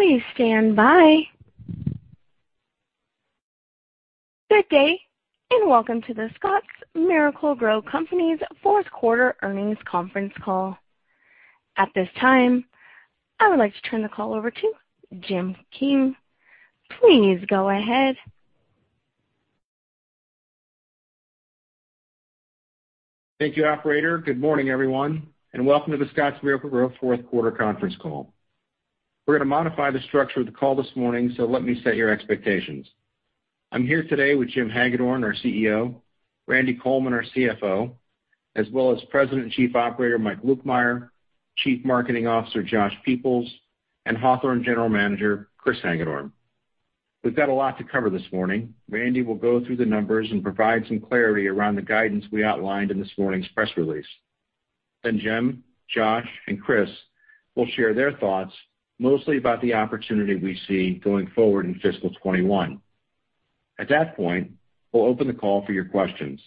Good day, and welcome to The Scotts Miracle-Gro Company's fourth quarter earnings conference call. At this time, I would like to turn the call over to Jim King. Please go ahead. Thank you, operator. Good morning, everyone, and welcome to the Scotts Miracle-Gro fourth quarter conference call. We're going to modify the structure of the call this morning, so let me set your expectations. I'm here today with Jim Hagedorn, our CEO, Randy Coleman, our CFO, as well as President and Chief Operating Officer, Mike Lukemire, Chief Marketing Officer, Josh Peoples, and Hawthorne General Manager, Chris Hagedorn. We've got a lot to cover this morning. Randy will go through the numbers and provide some clarity around the guidance we outlined in this morning's press release. Jim, Josh, and Chris will share their thoughts, mostly about the opportunity we see going forward in fiscal 2021. At that point, we'll open the call for your questions.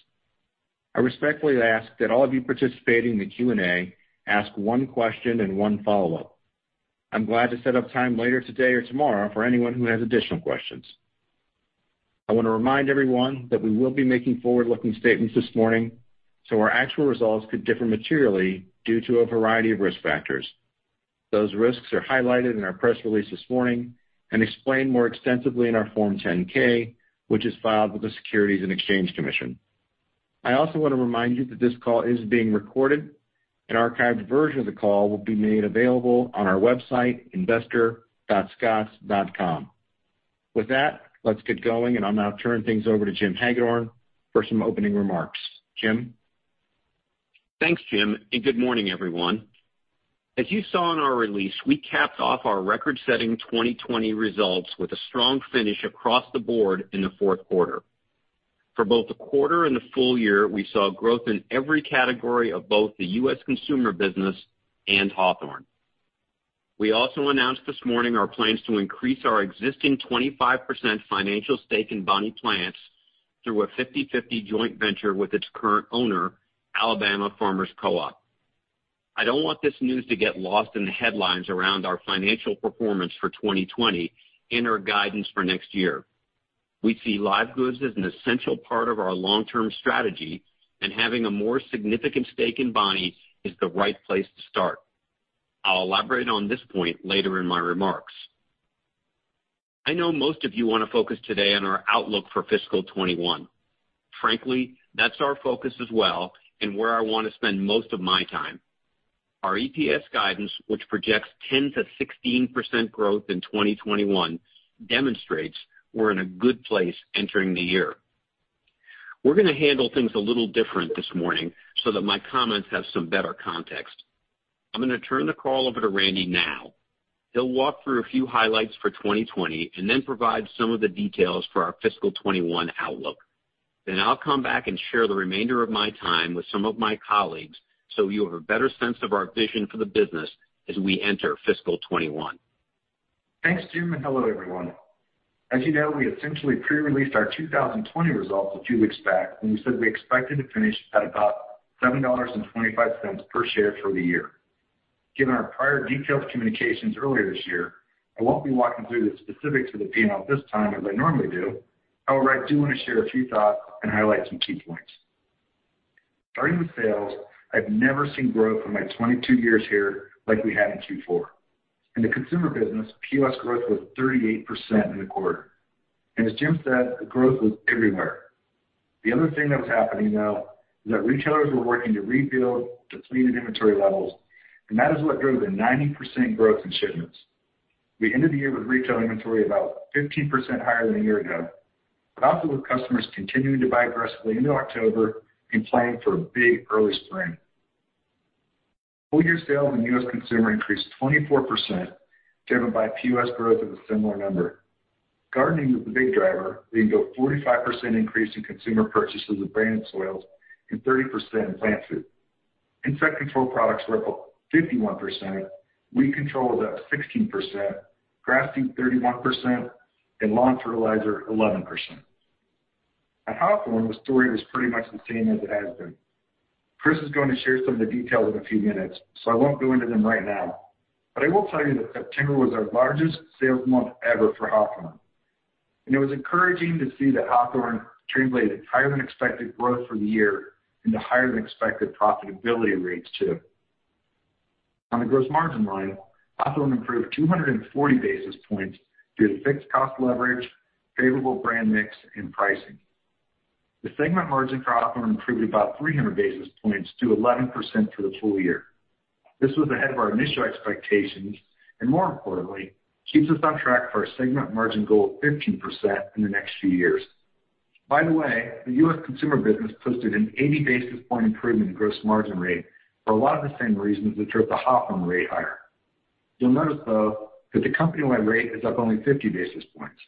I respectfully ask that all of you participating in the Q&A ask one question and one follow-up. I'm glad to set up time later today or tomorrow for anyone who has additional questions. I want to remind everyone that we will be making forward-looking statements this morning, so our actual results could differ materially due to a variety of risk factors. Those risks are highlighted in our press release this morning and explained more extensively in our Form 10-K, which is filed with the Securities and Exchange Commission. I also want to remind you that this call is being recorded. An archived version of the call will be made available on our website, investor.scotts.com. With that, let's get going, and I'll now turn things over to Jim Hagedorn for some opening remarks. Jim? Thanks, Jim, and good morning, everyone. As you saw in our release, we capped off our record-setting 2020 results with a strong finish across the board in the fourth quarter. For both the quarter and the full year, we saw growth in every category of both the U.S. consumer business and Hawthorne. We also announced this morning our plans to increase our existing 25% financial stake in Bonnie Plants through a 50/50 joint venture with its current owner, Alabama Farmers Co-op. I don't want this news to get lost in the headlines around our financial performance for 2020 and our guidance for next year. We see live goods as an essential part of our long-term strategy, and having a more significant stake in Bonnie is the right place to start. I'll elaborate on this point later in my remarks. I know most of you want to focus today on our outlook for fiscal 2021. Frankly, that's our focus as well and where I want to spend most of my time. Our EPS guidance, which projects 10%-16% growth in 2021, demonstrates we're in a good place entering the year. We're going to handle things a little different this morning so that my comments have some better context. I'm going to turn the call over to Randy now. He'll walk through a few highlights for 2020 and provide some of the details for our fiscal 2021 outlook. I'll come back and share the remainder of my time with some of my colleagues so you have a better sense of our vision for the business as we enter fiscal 2021. Thanks, Jim, and hello, everyone. As you know, we essentially pre-released our 2020 results a few weeks back when we said we expected to finish at about $7.25 per share for the year. Given our prior detailed communications earlier this year, I won't be walking through the specifics of the P&L this time as I normally do. However, I do want to share a few thoughts and highlight some key points. Starting with sales, I've never seen growth in my 22 years here like we had in Q4. In the consumer business, POS growth was 38% in the quarter. As Jim said, the growth was everywhere. The other thing that was happening, though, is that retailers were working to rebuild depleted inventory levels, and that is what drove the 90% growth in shipments. We ended the year with retail inventory about 15% higher than a year ago, also with customers continuing to buy aggressively into October and planning for a big early spring. Full-year sales in U.S. consumer increased 24%, driven by POS growth of a similar number. Gardening was the big driver, leading to a 45% increase in consumer purchases of branded soils and 30% in plant food. Insect control products were up 51%, weed control was up 16%, grass seed 31%, and lawn fertilizer 11%. At Hawthorne, the story was pretty much the same as it has been. Chris is going to share some of the details in a few minutes, I won't go into them right now. I will tell you that September was our largest sales month ever for Hawthorne, and it was encouraging to see that Hawthorne translated higher-than-expected growth for the year into higher-than-expected profitability rates, too. On the gross margin line, Hawthorne improved 240 basis points due to fixed cost leverage, favorable brand mix, and pricing. The segment margin for Hawthorne improved about 300 basis points to 11% for the full year. This was ahead of our initial expectations, and more importantly, keeps us on track for a segment margin goal of 15% in the next few years. The U.S. consumer business posted an 80 basis point improvement in gross margin rate for a lot of the same reasons that drove the Hawthorne rate higher. You'll notice, though, that the company-wide rate is up only 50 basis points.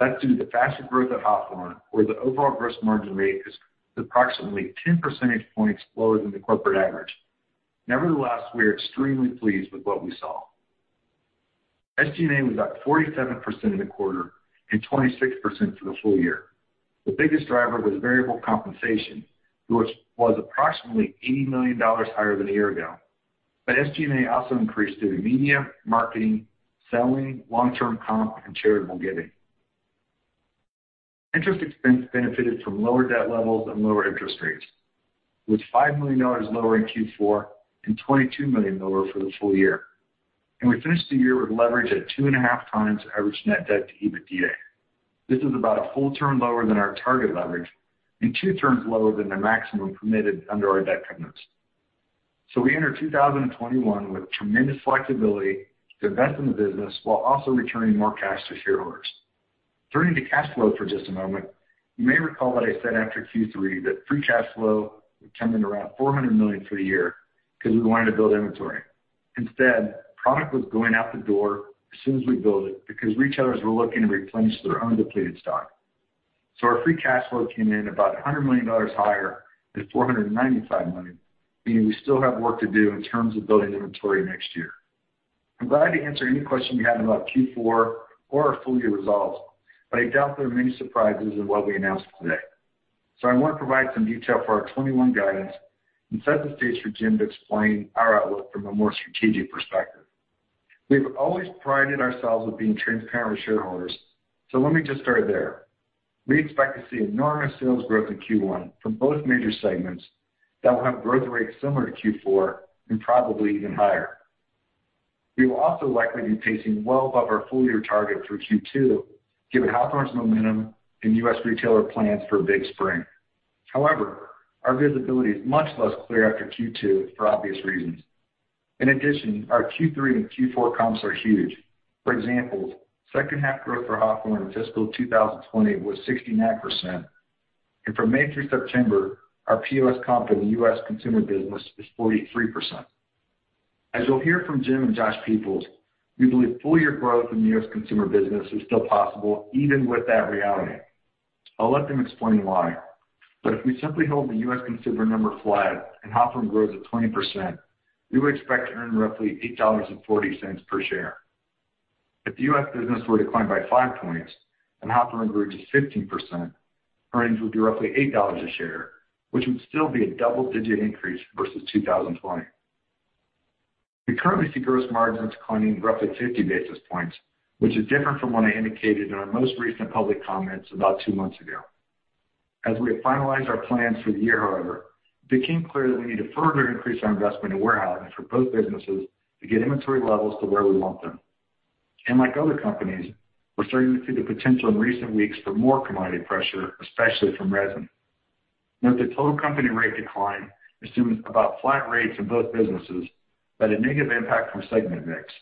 That's due to the faster growth at Hawthorne, where the overall gross margin rate is approximately 10 percentage points lower than the corporate average. Nevertheless, we are extremely pleased with what we saw. SG&A was up 47% in the quarter and 26% for the full year. The biggest driver was variable compensation, which was approximately $80 million higher than a year ago. SG&A also increased due to media, marketing, selling, long-term comp, and charitable giving. Interest expense benefited from lower debt levels and lower interest rates, with $5 million lower in Q4 and $22 million lower for the full year. We finished the year with leverage at two and a half times average net debt to EBITDA. This is about a full turn lower than our target leverage and two turns lower than the maximum permitted under our debt covenants. We enter 2021 with tremendous flexibility to invest in the business while also returning more cash to shareholders. Turning to cash flow for just a moment, you may recall what I said after Q3, that free cash flow would come in around $400 million for the year because we wanted to build inventory. Instead, product was going out the door as soon as we built it because retailers were looking to replenish their own depleted stock. Our free cash flow came in about $100 million higher than $495 million, meaning we still have work to do in terms of building inventory next year. I'm glad to answer any question you have about Q4 or our full-year results, but I doubt there are many surprises in what we announced today. I want to provide some detail for our 2021 guidance and set the stage for Jim to explain our outlook from a more strategic perspective. We've always prided ourselves with being transparent with shareholders, so let me just start there. We expect to see enormous sales growth in Q1 from both major segments that will have growth rates similar to Q4 and probably even higher. We will also likely be pacing well above our full-year target through Q2, given how much momentum in U.S. retailer plans for a big spring. However, our visibility is much less clear after Q2 for obvious reasons. In addition, our Q3 and Q4 comps are huge. For example, second half growth for Hawthorne fiscal 2020 was 69%, and from May through September, our POS comp in the U.S. consumer business is 43%. As you'll hear from Jim and Josh Peoples, we believe full-year growth in the U.S. consumer business is still possible even with that reality. I'll let them explain why. If we simply hold the U.S. consumer number flat and Hawthorne grows at 20%, we would expect to earn roughly $8.40 per share. If the U.S. business were to decline by five points and Hawthorne grew to 15%, earnings would be roughly $8 a share, which would still be a double-digit increase versus 2020. We currently see gross margins declining roughly 50 basis points, which is different from what I indicated in our most recent public comments about two months ago. As we have finalized our plans for the year, however, it became clear that we need to further increase our investment in warehousing for both businesses to get inventory levels to where we want them. Like other companies, we're starting to see the potential in recent weeks for more commodity pressure, especially from resin. The total company rate decline assumes about flat rates in both businesses, but a negative impact from segment mix,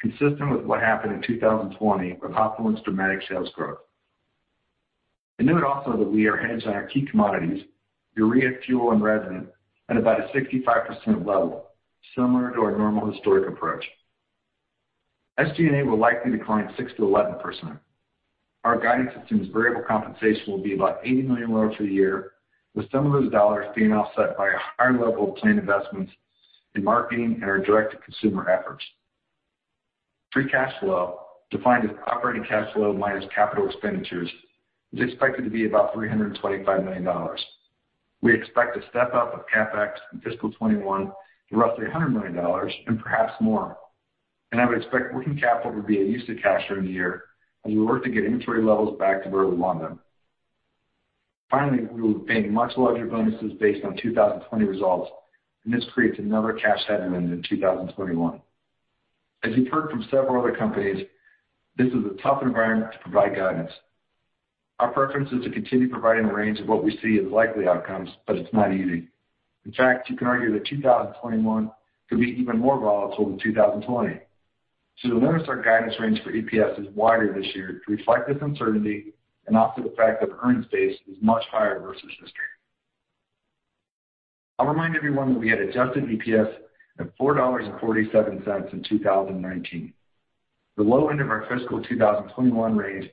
consistent with what happened in 2020 with Hawthorne's dramatic sales growth. Note also that we are hedged on our key commodities, urea, fuel, and resin, at about a 65% level, similar to our normal historic approach. SG&A will likely decline 6%-11%. Our guidance assumes variable compensation will be about $80 million lower for the year, with some of those dollars being offset by a higher level of planned investments in marketing and our direct-to-consumer efforts. Free cash flow, defined as operating cash flow minus capital expenditures, is expected to be about $325 million. We expect a step-up of CapEx in fiscal 2021 to roughly $100 million and perhaps more. I would expect working capital to be a use of cash during the year as we work to get inventory levels back to where we want them. Finally, we will be paying much larger bonuses based on 2020 results, and this creates another cash headwind in 2021. As you've heard from several other companies, this is a tough environment to provide guidance. Our preference is to continue providing a range of what we see as likely outcomes, but it's not easy. In fact, you can argue that 2021 could be even more volatile than 2020. You'll notice our guidance range for EPS is wider this year to reflect this uncertainty and also the fact that our earnings base is much higher versus history. I'll remind everyone that we had adjusted EPS of $4.47 in 2019. The low end of our fiscal 2021 range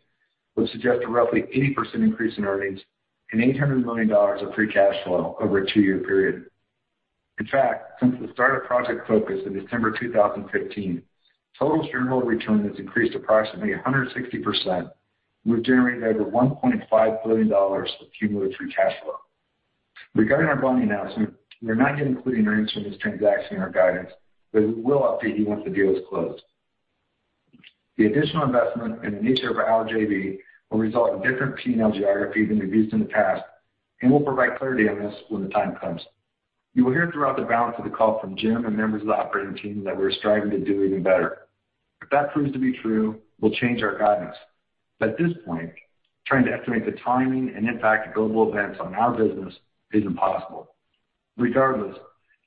would suggest a roughly 80% increase in earnings and $800 million of free cash flow over a two-year period. In fact, since the start of Project Focus in December 2015, total shareholder return has increased approximately 160%, and we've generated over $1.5 billion of cumulative free cash flow. Regarding our Bonnie announcement, we're not yet including earnings from this transaction in our guidance, but we will update you once the deal is closed. The additional investment in the nature of our LJV will result in different P&L geography than we've used in the past, and we'll provide clarity on this when the time comes. You will hear throughout the balance of the call from Jim and members of the operating team that we're striving to do even better. If that proves to be true, we'll change our guidance. At this point, trying to estimate the timing and impact of global events on our business is impossible. Regardless,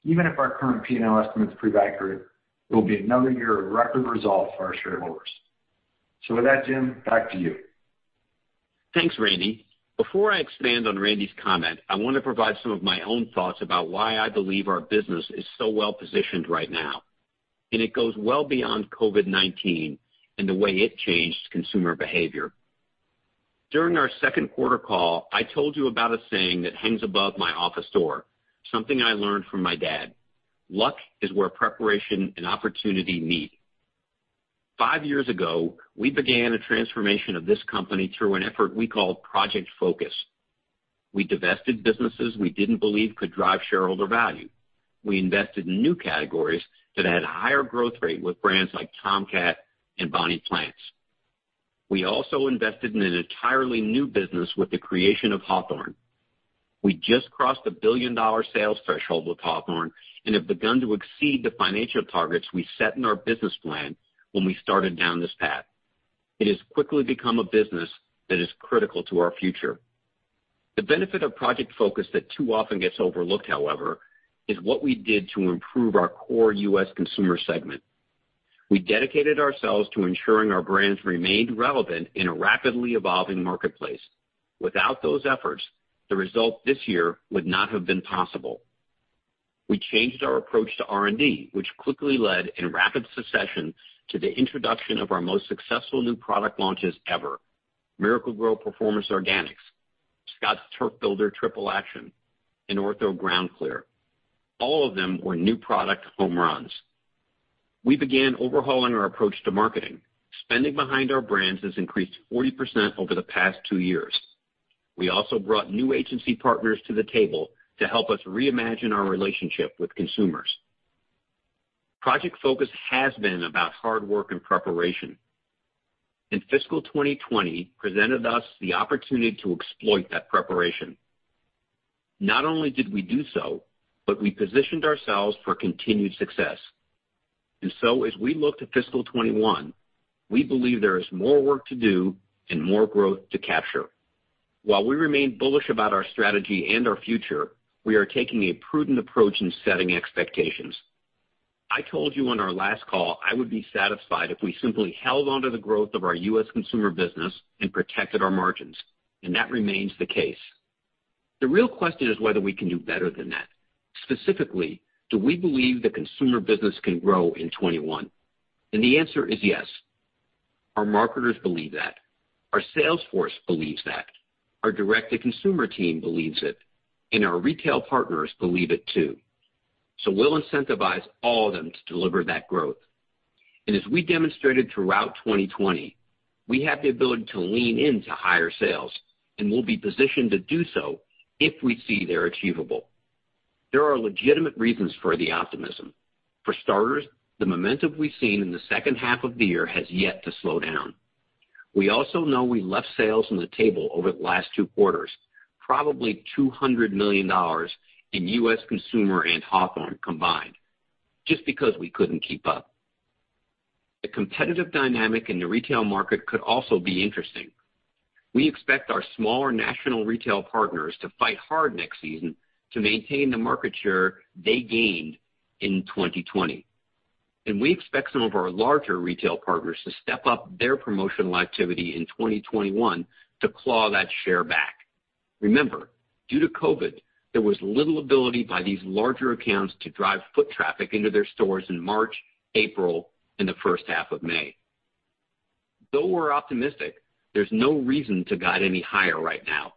even if our current P&L estimates prove accurate, it will be another year of record results for our shareholders. With that, Jim, back to you. Thanks, Randy. Before I expand on Randy's comment, I want to provide some of my own thoughts about why I believe our business is so well-positioned right now, and it goes well beyond COVID-19 and the way it changed consumer behavior. During our second quarter call, I told you about a saying that hangs above my office door, something I learned from my dad: Luck is where preparation and opportunity meet. Five years ago, we began a transformation of this company through an effort we call Project Focus. We divested businesses we didn't believe could drive shareholder value. We invested in new categories that had higher growth rate with brands like Tomcat and Bonnie Plants. We also invested in an entirely new business with the creation of Hawthorne. We just crossed the billion-dollar sales threshold with Hawthorne and have begun to exceed the financial targets we set in our business plan when we started down this path. It has quickly become a business that is critical to our future. The benefit of Project Focus that too often gets overlooked, however, is what we did to improve our core U.S. consumer segment. We dedicated ourselves to ensuring our brands remained relevant in a rapidly evolving marketplace. Without those efforts, the result this year would not have been possible. We changed our approach to R&D, which quickly led in rapid succession to the introduction of our most successful new product launches ever: Miracle-Gro Performance Organics, Scotts Turf Builder Triple Action, and Ortho GroundClear. All of them were new product home runs. We began overhauling our approach to marketing. Spending behind our brands has increased 40% over the past two years. We also brought new agency partners to the table to help us reimagine our relationship with consumers. Project Focus has been about hard work and preparation, and fiscal 2020 presented us the opportunity to exploit that preparation. Not only did we do so, but we positioned ourselves for continued success. As we look to fiscal 2021, we believe there is more work to do and more growth to capture. While we remain bullish about our strategy and our future, we are taking a prudent approach in setting expectations. I told you on our last call I would be satisfied if we simply held onto the growth of our U.S. consumer business and protected our margins, and that remains the case. The real question is whether we can do better than that. Specifically, do we believe the consumer business can grow in 2021? The answer is yes. Our marketers believe that. Our sales force believes that. Our direct-to-consumer team believes it, and our retail partners believe it, too. We'll incentivize all of them to deliver that growth. As we demonstrated throughout 2020, we have the ability to lean into higher sales, and we'll be positioned to do so if we see they're achievable. There are legitimate reasons for the optimism. For starters, the momentum we've seen in the second half of the year has yet to slow down. We also know we left sales on the table over the last two quarters, probably $200 million in U.S. consumer and Hawthorne combined, just because we couldn't keep up. The competitive dynamic in the retail market could also be interesting. We expect our smaller national retail partners to fight hard next season to maintain the market share they gained in 2020. We expect some of our larger retail partners to step up their promotional activity in 2021 to claw that share back. Remember, due to COVID, there was little ability by these larger accounts to drive foot traffic into their stores in March, April, and the first half of May. We're optimistic, there's no reason to guide any higher right now.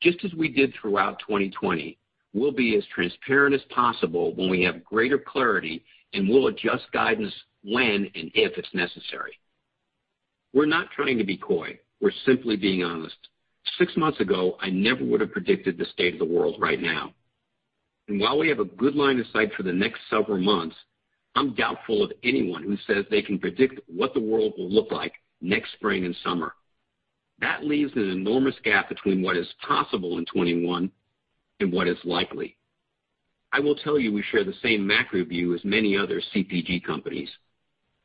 Just as we did throughout 2020, we'll be as transparent as possible when we have greater clarity, and we'll adjust guidance when and if it's necessary. We're not trying to be coy. We're simply being honest. Six months ago, I never would have predicted the state of the world right now. While we have a good line of sight for the next several months, I'm doubtful of anyone who says they can predict what the world will look like next spring and summer. That leaves an enormous gap between what is possible in 2021 and what is likely. I will tell you we share the same macro view as many other CPG companies.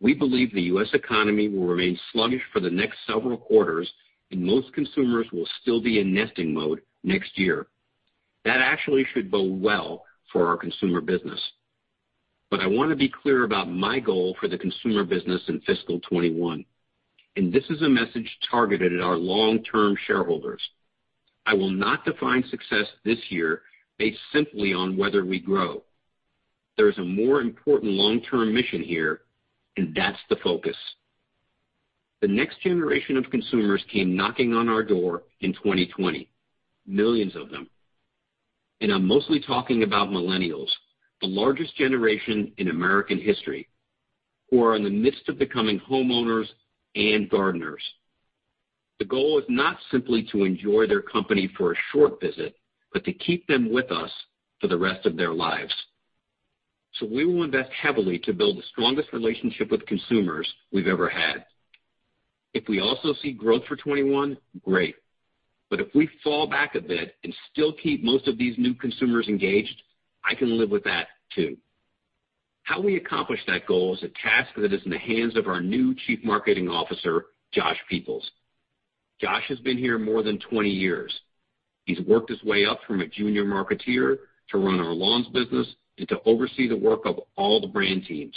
We believe the U.S. economy will remain sluggish for the next several quarters and most consumers will still be in nesting mode next year. That actually should bode well for our consumer business. I want to be clear about my goal for the consumer business in fiscal 2021, and this is a message targeted at our long-term shareholders. I will not define success this year based simply on whether we grow. There is a more important long-term mission here, and that's the focus. The next generation of consumers came knocking on our door in 2020, millions of them. I'm mostly talking about millennials, the largest generation in American history, who are in the midst of becoming homeowners and gardeners. The goal is not simply to enjoy their company for a short visit, but to keep them with us for the rest of their lives. We will invest heavily to build the strongest relationship with consumers we've ever had. If we also see growth for 2021, great. If we fall back a bit and still keep most of these new consumers engaged, I can live with that, too. How we accomplish that goal is a task that is in the hands of our new Chief Marketing Officer, Josh Peoples. Josh has been here more than 20 years. He's worked his way up from a junior marketeer to run our lawns business and to oversee the work of all the brand teams.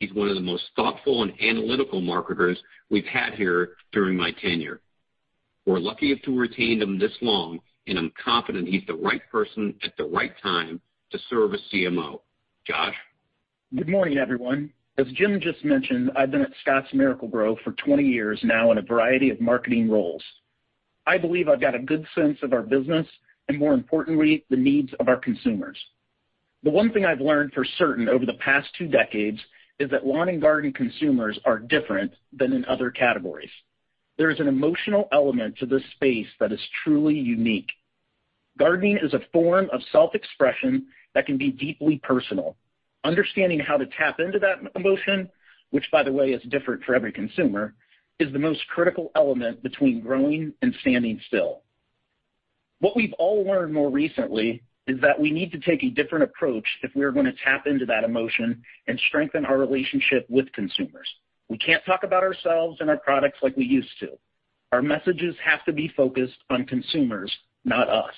He's one of the most thoughtful and analytical marketers we've had here during my tenure. We're lucky to have retained him this long, and I'm confident he's the right person at the right time to serve as CMO. Josh? Good morning, everyone. As Jim just mentioned, I've been at Scotts Miracle-Gro for 20 years now in a variety of marketing roles. I believe I've got a good sense of our business, and more importantly, the needs of our consumers. The one thing I've learned for certain over the past two decades is that lawn and garden consumers are different than in other categories. There is an emotional element to this space that is truly unique. Gardening is a form of self-expression that can be deeply personal. Understanding how to tap into that emotion, which by the way, is different for every consumer, is the most critical element between growing and standing still. What we've all learned more recently is that we need to take a different approach if we're going to tap into that emotion and strengthen our relationship with consumers. We can't talk about ourselves and our products like we used to. Our messages have to be focused on consumers, not us.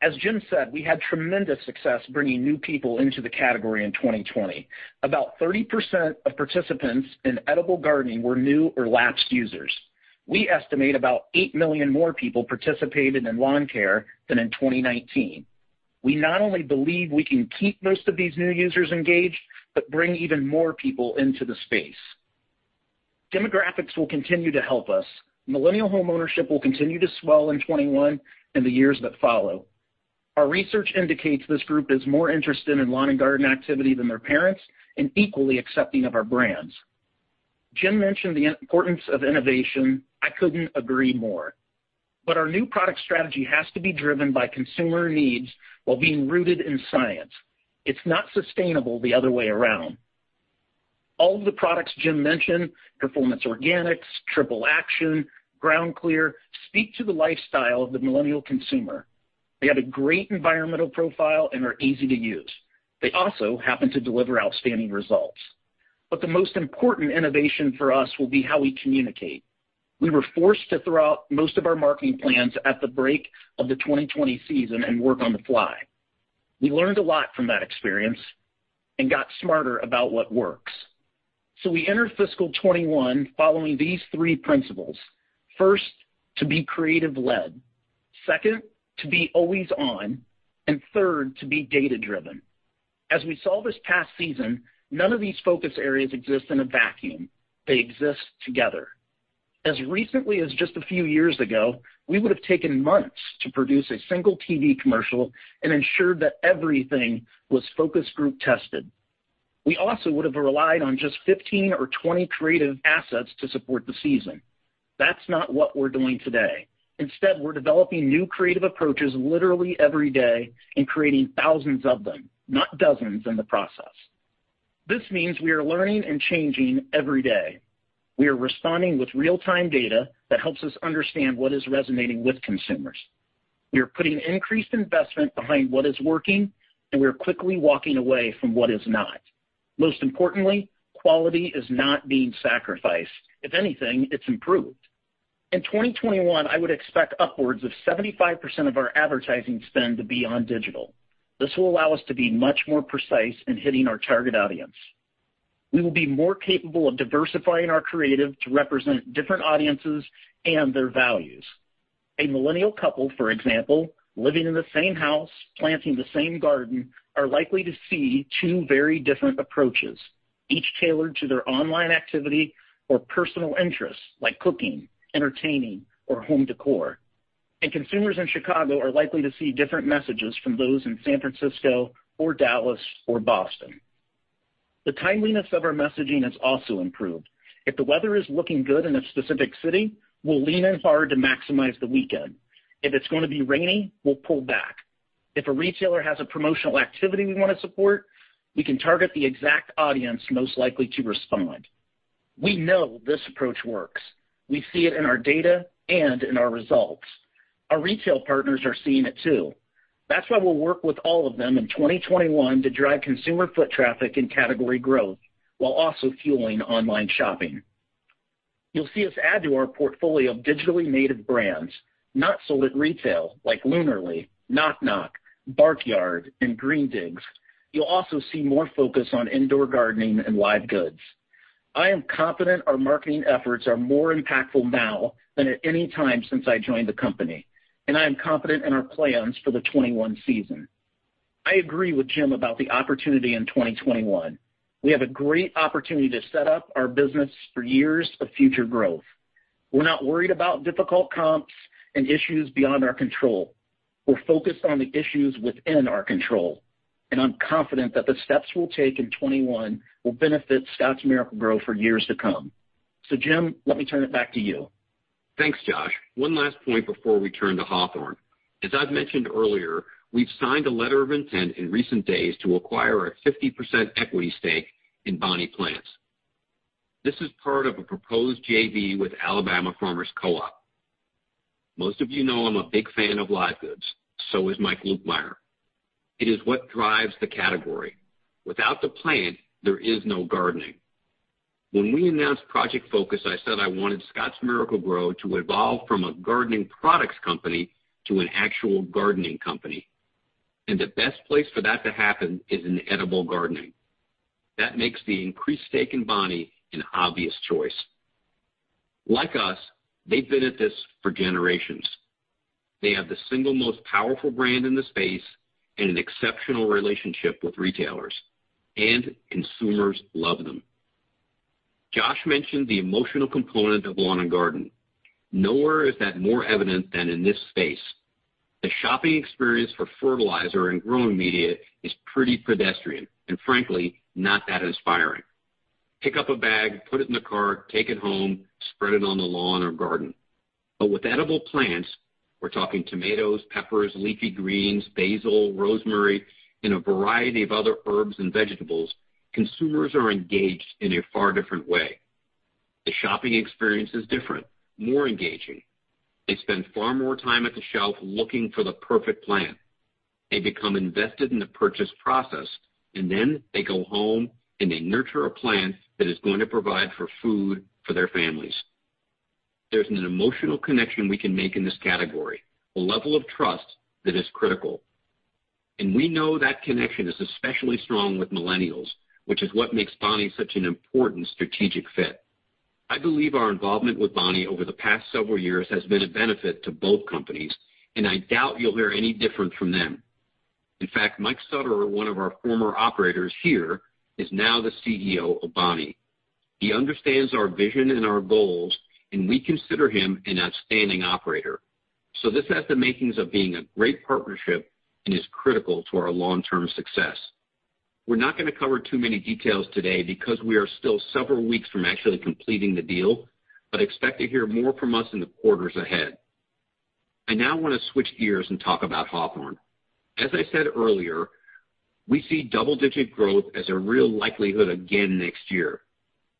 As Jim said, we had tremendous success bringing new people into the category in 2020. About 30% of participants in edible gardening were new or lapsed users. We estimate about 8 million more people participated in lawn care than in 2019. We not only believe we can keep most of these new users engaged, but bring even more people into the space. Demographics will continue to help us. Millennial homeownership will continue to swell in 2021 and the years that follow. Our research indicates this group is more interested in lawn and garden activity than their parents and equally accepting of our brands. Jim mentioned the importance of innovation. I couldn't agree more. Our new product strategy has to be driven by consumer needs while being rooted in science. It's not sustainable the other way around. All of the products Jim mentioned, Performance Organics, Triple Action, GroundClear, speak to the lifestyle of the millennial consumer. They have a great environmental profile and are easy to use. They also happen to deliver outstanding results. The most important innovation for us will be how we communicate. We were forced to throw out most of our marketing plans at the break of the 2020 season and work on the fly. We learned a lot from that experience and got smarter about what works. We enter fiscal 2021 following these three principles. First, to be creative-led. Second, to be always on. Third, to be data-driven. As we saw this past season, none of these focus areas exist in a vacuum. They exist together. As recently as just a few years ago, we would have taken months to produce a single TV commercial and ensured that everything was focus group tested. We also would have relied on just 15 or 20 creative assets to support the season. That's not what we're doing today. Instead, we're developing new creative approaches literally every day and creating thousands of them, not dozens in the process. This means we are learning and changing every day. We are responding with real-time data that helps us understand what is resonating with consumers. We are putting increased investment behind what is working, and we are quickly walking away from what is not. Most importantly, quality is not being sacrificed. If anything, it's improved. In 2021, I would expect upwards of 75% of our advertising spend to be on digital. This will allow us to be much more precise in hitting our target audience. We will be more capable of diversifying our creative to represent different audiences and their values. A millennial couple, for example, living in the same house, planting the same garden, are likely to see two very different approaches, each tailored to their online activity or personal interests, like cooking, entertaining, or home decor. Consumers in Chicago are likely to see different messages from those in San Francisco or Dallas or Boston. The timeliness of our messaging has also improved. If the weather is looking good in a specific city, we'll lean in hard to maximize the weekend. If it's going to be rainy, we'll pull back. If a retailer has a promotional activity we want to support, we can target the exact audience most likely to respond. We know this approach works. We see it in our data and in our results. Our retail partners are seeing it too. That's why we'll work with all of them in 2021 to drive consumer foot traffic and category growth while also fueling online shopping. You'll see us add to our portfolio of digitally native brands not sold at retail, like Lunarly, Knock Knock, Bark Yard, and Green Digs. You'll also see more focus on indoor gardening and live goods. I am confident our marketing efforts are more impactful now than at any time since I joined the company, and I am confident in our plans for the 2021 season. I agree with Jim about the opportunity in 2021. We have a great opportunity to set up our business for years of future growth. We're not worried about difficult comps and issues beyond our control. We're focused on the issues within our control, and I'm confident that the steps we'll take in 2021 will benefit Scotts Miracle-Gro for years to come. Jim, let me turn it back to you. Thanks, Josh. One last point before we turn to Hawthorne. As I've mentioned earlier, we've signed a letter of intent in recent days to acquire a 50% equity stake in Bonnie Plants. This is part of a proposed JV with Alabama Farmers Co-op. Most of you know I'm a big fan of live goods. So is Mike Lukemire. It is what drives the category. Without the plant, there is no gardening. When we announced Project Focus, I said I wanted Scotts Miracle-Gro to evolve from a gardening products company to an actual gardening company, and the best place for that to happen is in edible gardening. That makes the increased stake in Bonnie an obvious choice. Like us, they've been at this for generations. They have the single most powerful brand in the space and an exceptional relationship with retailers, and consumers love them. Josh mentioned the emotional component of lawn and garden. Nowhere is that more evident than in this space. The shopping experience for fertilizer and growing media is pretty pedestrian, and frankly, not that inspiring. Pick up a bag, put it in the cart, take it home, spread it on the lawn or garden. With edible plants, we're talking tomatoes, peppers, leafy greens, basil, rosemary, and a variety of other herbs and vegetables, consumers are engaged in a far different way. The shopping experience is different, more engaging. They spend far more time at the shelf looking for the perfect plant. They become invested in the purchase process, and then they go home, and they nurture a plant that is going to provide for food for their families. There's an emotional connection we can make in this category, a level of trust that is critical. We know that connection is especially strong with millennials, which is what makes Bonnie such an important strategic fit. I believe our involvement with Bonnie over the past several years has been a benefit to both companies, and I doubt you'll hear any different from them. In fact, Mike Sutterer, one of our former operators here, is now the CEO of Bonnie. He understands our vision and our goals, and we consider him an outstanding operator. This has the makings of being a great partnership and is critical to our long-term success. We're not going to cover too many details today because we are still several weeks from actually completing the deal, but expect to hear more from us in the quarters ahead. I now want to switch gears and talk about Hawthorne. As I said earlier, we see double-digit growth as a real likelihood again next year.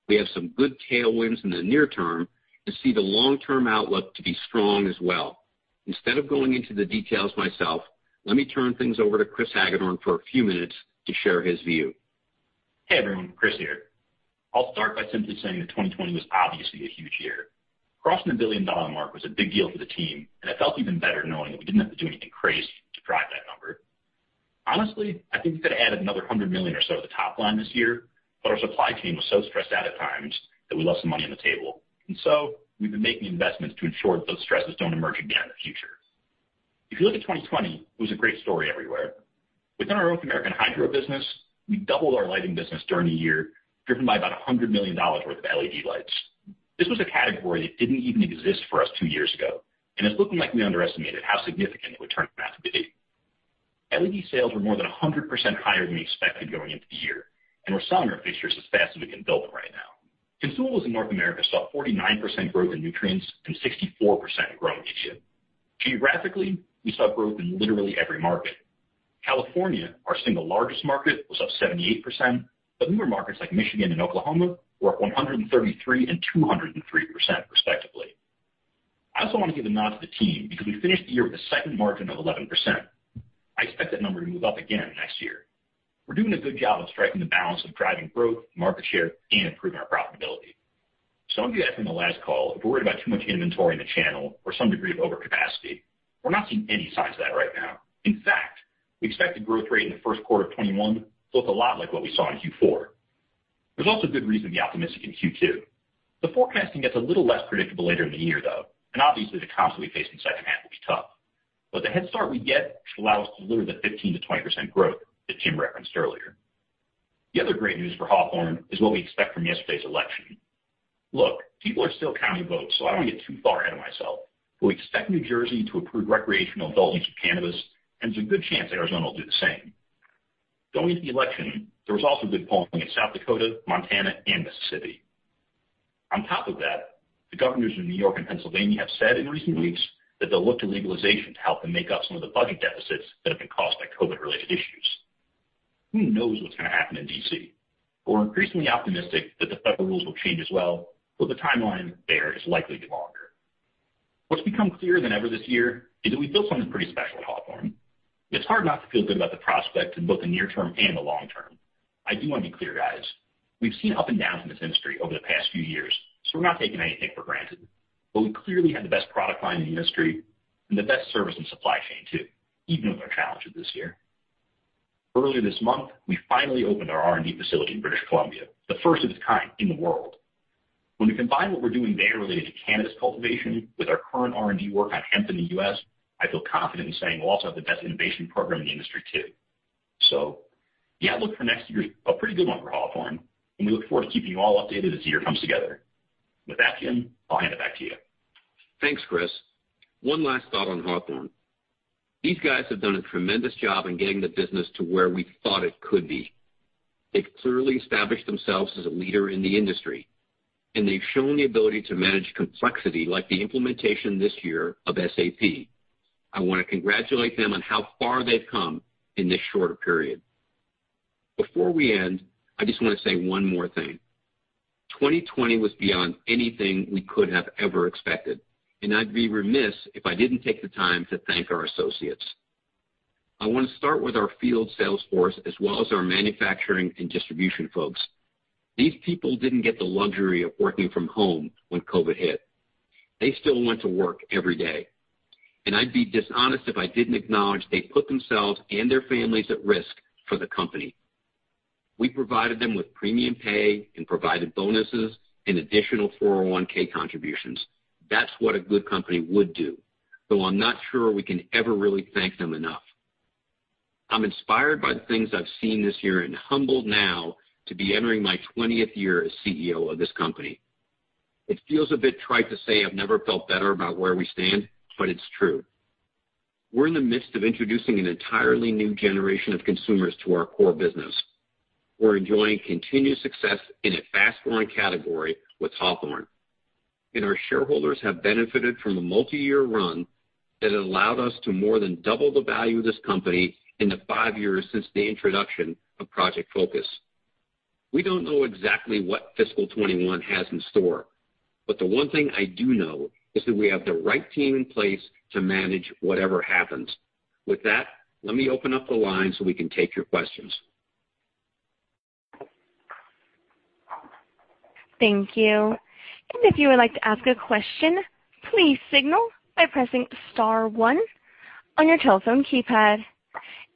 We have some good tailwinds in the near term and see the long-term outlook to be strong as well. Instead of going into the details myself, let me turn things over to Chris Hagedorn for a few minutes to share his view. Hey, everyone. Chris here. I'll start by simply saying that 2020 was obviously a huge year. Crossing the billion-dollar mark was a big deal for the team. It felt even better knowing that we didn't have to do anything crazy to drive that number. Honestly, I think we could've added another $100 million or so to the top line this year. Our supply chain was so stressed out at times that we left some money on the table. We've been making investments to ensure that those stresses don't emerge again in the future. If you look at 2020, it was a great story everywhere. Within our North American hydro business, we doubled our lighting business during the year, driven by about $100 million worth of LED lights. This was a category that didn't even exist for us two years ago, and it's looking like we underestimated how significant it would turn out to be. LED sales were more than 100% higher than we expected going into the year, and we're selling our fixtures as fast as we can build them right now. Consumables in North America saw 49% growth in nutrients and 64% in growing media. Geographically, we saw growth in literally every market. California, our single largest market, was up 78%, but newer markets like Michigan and Oklahoma were up 133% and 203% respectively. I also want to give a nod to the team because we finished the year with a second margin of 11%. I expect that number to move up again next year. We're doing a good job of striking the balance of driving growth, market share, and improving our profitability. Some of you asked me on the last call if we're worried about too much inventory in the channel or some degree of overcapacity. We're not seeing any signs of that right now. In fact, we expect the growth rate in the first quarter of 2021 to look a lot like what we saw in Q4. There's also good reason to be optimistic in Q2. The forecasting gets a little less predictable later in the year, though, and obviously, the comps that we face in the second half will be tough. The head start we get should allow us to deliver the 15%-20% growth that Jim referenced earlier. The other great news for Hawthorne is what we expect from yesterday's election. Look, people are still counting votes. I don't want to get too far ahead of myself. We expect New Jersey to approve recreational adult use of cannabis, and there's a good chance Arizona will do the same. Going into the election, there was also good polling in South Dakota, Montana, and Mississippi. On top of that, the governors of New York and Pennsylvania have said in recent weeks that they'll look to legalization to help them make up some of the budget deficits that have been caused by COVID-related issues. Who knows what's going to happen in D.C.? We're increasingly optimistic that the federal rules will change as well, though the timeline there is likely to be longer. What's become clearer than ever this year is that we built something pretty special at Hawthorne. It's hard not to feel good about the prospect in both the near term and the long term. I do want to be clear, guys, we've seen up and downs in this industry over the past few years, we're not taking anything for granted. We clearly have the best product line in the industry and the best service and supply chain too, even with our challenges this year. Earlier this month, we finally opened our R&D facility in British Columbia, the first of its kind in the world. When we combine what we're doing there related to cannabis cultivation with our current R&D work on hemp in the U.S., I feel confident in saying we'll also have the best innovation program in the industry, too. The outlook for next year is a pretty good one for Hawthorne, and we look forward to keeping you all updated as the year comes together. With that, Jim, I'll hand it back to you. Thanks, Chris. One last thought on Hawthorne. These guys have done a tremendous job in getting the business to where we thought it could be. They've clearly established themselves as a leader in the industry, they've shown the ability to manage complexity like the implementation this year of SAP. I want to congratulate them on how far they've come in this short period. Before we end, I just want to say one more thing. 2020 was beyond anything we could have ever expected, I'd be remiss if I didn't take the time to thank our associates. I want to start with our field sales force as well as our manufacturing and distribution folks. These people didn't get the luxury of working from home when COVID hit. They still went to work every day, and I'd be dishonest if I didn't acknowledge they put themselves and their families at risk for the company. We provided them with premium pay and provided bonuses and additional 401(k) contributions. That's what a good company would do. I'm not sure we can ever really thank them enough. I'm inspired by the things I've seen this year and humbled now to be entering my 20th year as CEO of this company. It feels a bit trite to say I've never felt better about where we stand, but it's true. We're in the midst of introducing an entirely new generation of consumers to our core business. We're enjoying continued success in a fast-growing category with Hawthorne. Our shareholders have benefited from a multi-year run that allowed us to more than double the value of this company in the five years since the introduction of Project Focus. We don't know exactly what fiscal 2021 has in store, but the one thing I do know is that we have the right team in place to manage whatever happens. With that, let me open up the line so we can take your questions. Thank you. If you would like to ask a question, please signal by pressing star one on your telephone keypad.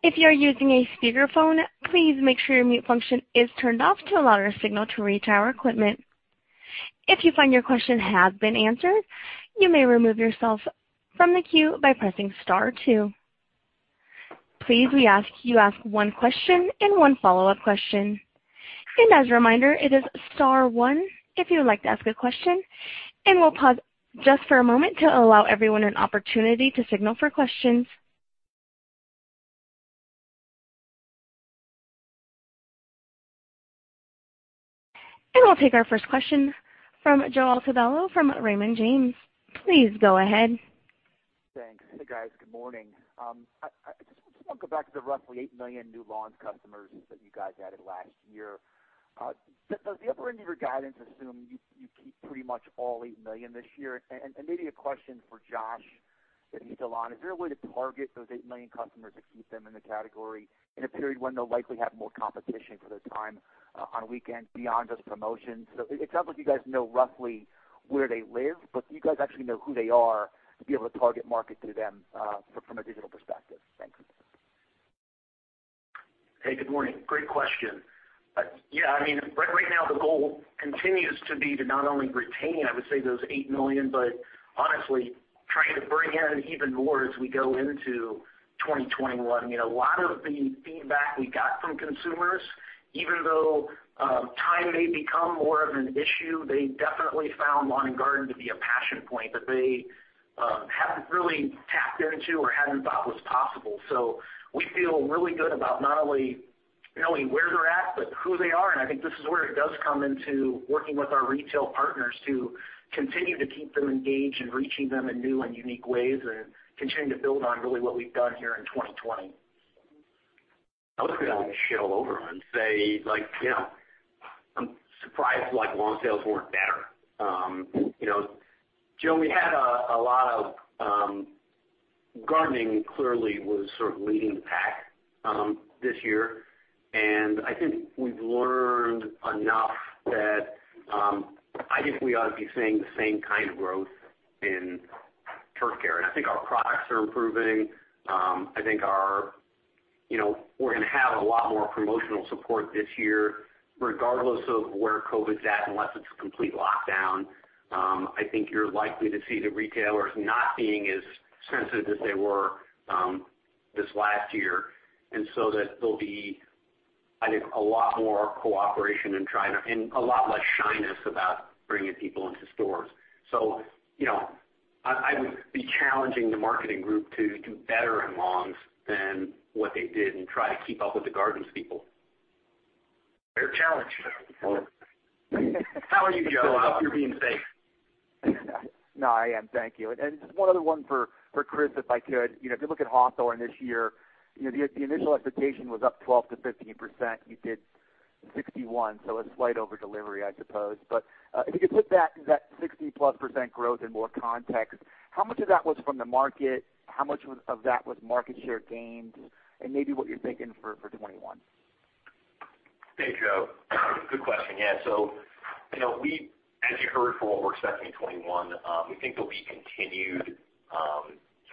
If you are using a speakerphone, please make sure your mute function is turned off to allow your signal to reach our equipment. If you find your question has been answered, you may remove yourself from the queue by pressing star two. Please, we ask you ask one question and one follow-up question. As a reminder, it is star one if you would like to ask a question, and we'll pause just for a moment to allow everyone an opportunity to signal for questions. We'll take our first question from Joseph Altobello from Raymond James. Please go ahead. Thanks. Hey, guys. Good morning. I just want to go back to the roughly 8 million new lawns customers that you guys added last year. Does the upper end of your guidance assume you keep pretty much all 8 million this year? Maybe a question for Josh, if he's still on. Is there a way to target those 8 million customers to keep them in the category in a period when they'll likely have more competition for their time on weekends beyond just promotions? It sounds like you guys know roughly where they live, do you guys actually know who they are to be able to target market to them from a digital perspective? Thanks. Hey, good morning. Great question. Yeah, right now the goal continues to be to not only retain, I would say, those eight million, but honestly, trying to bring in even more as we go into 2021. A lot of the feedback we got from consumers, even though time may become more of an issue, they definitely found lawn and garden to be a passion point that they hadn't really tapped into or hadn't thought was possible. We feel really good about not only knowing where they're at, but who they are, and I think this is where it does come into working with our retail partners to continue to keep them engaged and reaching them in new and unique ways and continuing to build on really what we've done here in 2020. I was going to shell over and say, I'm surprised lawn sales weren't better. Joe, we had a lot of gardening clearly was sort of leading the pack this year, and I think we've learned enough that I think we ought to be seeing the same kind of growth in turf care. I think our products are improving. I think we're going to have a lot more promotional support this year, regardless of where COVID's at, unless it's a complete lockdown. I think you're likely to see the retailers not being as sensitive as they were this last year, and so that there'll be, I think, a lot more cooperation and a lot less shyness about bringing people into stores. I would be challenging the marketing group to do better in lawns than what they did and try to keep up with the gardens people. Fair challenge, sir. How are you, Joe? I hope you're being safe. No, I am. Thank you. Just one other one for Chris, if I could. If you look at Hawthorne this year, the initial expectation was up 12%-15%. You did 61%, so a slight over delivery, I suppose. If you could put that 60-plus percent growth in more context, how much of that was from the market? How much of that was market share gains? Maybe what you're thinking for 2021. Thanks, Joe. Good question. Yeah. As you heard for what we're expecting in 2021, we think there'll be continued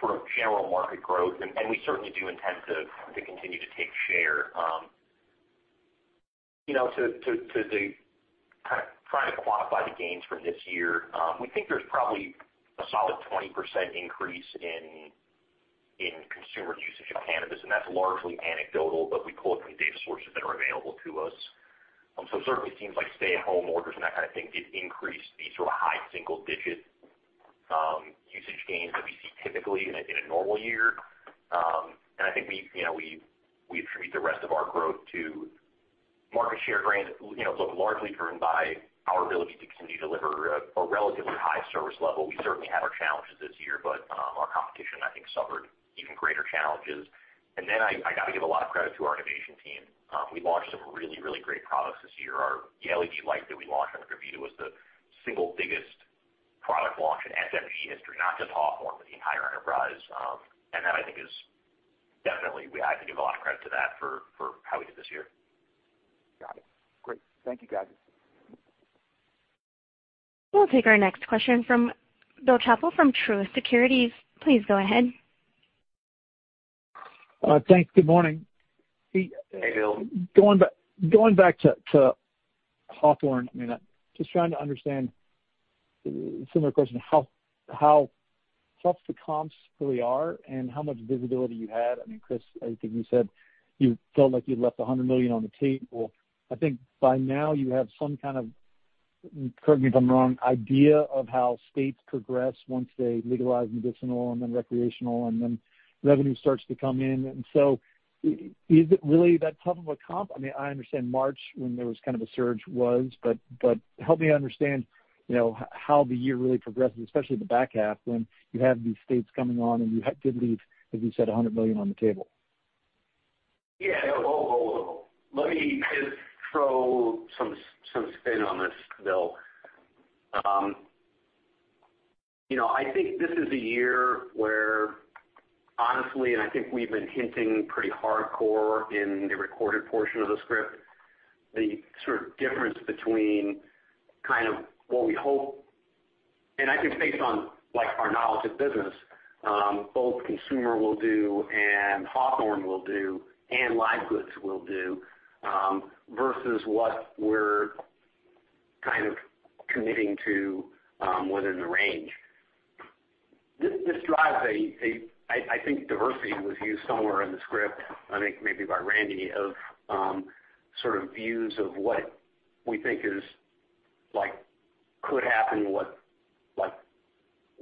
sort of general market growth, and we certainly do intend to continue to take share. To try to quantify the gains from this year, we think there's probably a solid 20% increase in consumer usage of cannabis, and that's largely anecdotal, but we pull it from data sources that are available to us. It certainly seems like stay-at-home orders and that kind of thing did increase the sort of high single-digit usage gains that we see typically in a normal year. I think we attribute the rest of our growth to market share gains, but largely driven by our ability to continue to deliver a relatively high service level. We certainly had our challenges this year, but our competition, I think, suffered even greater challenges. I got to give a lot of credit to our innovation team. We launched some really, really great products this year. The LED light that we launched under Gavita was the single biggest product launch in SMG history, not just Hawthorne, but the entire enterprise. That I think is definitely, I have to give a lot of credit to that for how we did this year. Got it. Great. Thank you, guys. We'll take our next question from Bill Chappell from Truist Securities. Please go ahead. Thanks. Good morning. Going back to Hawthorne, just trying to understand, similar question, how tough the comps really are and how much visibility you had. Chris, I think you said you felt like you left $100 million on the table. I think by now you have some kind of, correct me if I'm wrong, idea of how states progress once they legalize medicinal and then recreational, and then revenue starts to come in. Is it really that tough of a comp? I understand March, when there was kind of a surge, was, but help me understand how the year really progresses, especially the back half, when you have these states coming on and you did leave, as you said, $100 million on the table. Yeah. Whoa. Let me just throw some spin on this, Bill. I think this is a year where, honestly, and I think we've been hinting pretty hardcore in the recorded portion of the script, the sort of difference between what we hope, and I think based on our knowledge of business, both consumer will do and Hawthorne will do and live goods will do, versus what we're kind of committing to within the range. This drives a, I think diversity was used somewhere in the script, I think maybe by Randy, of sort of views of what we think could happen, what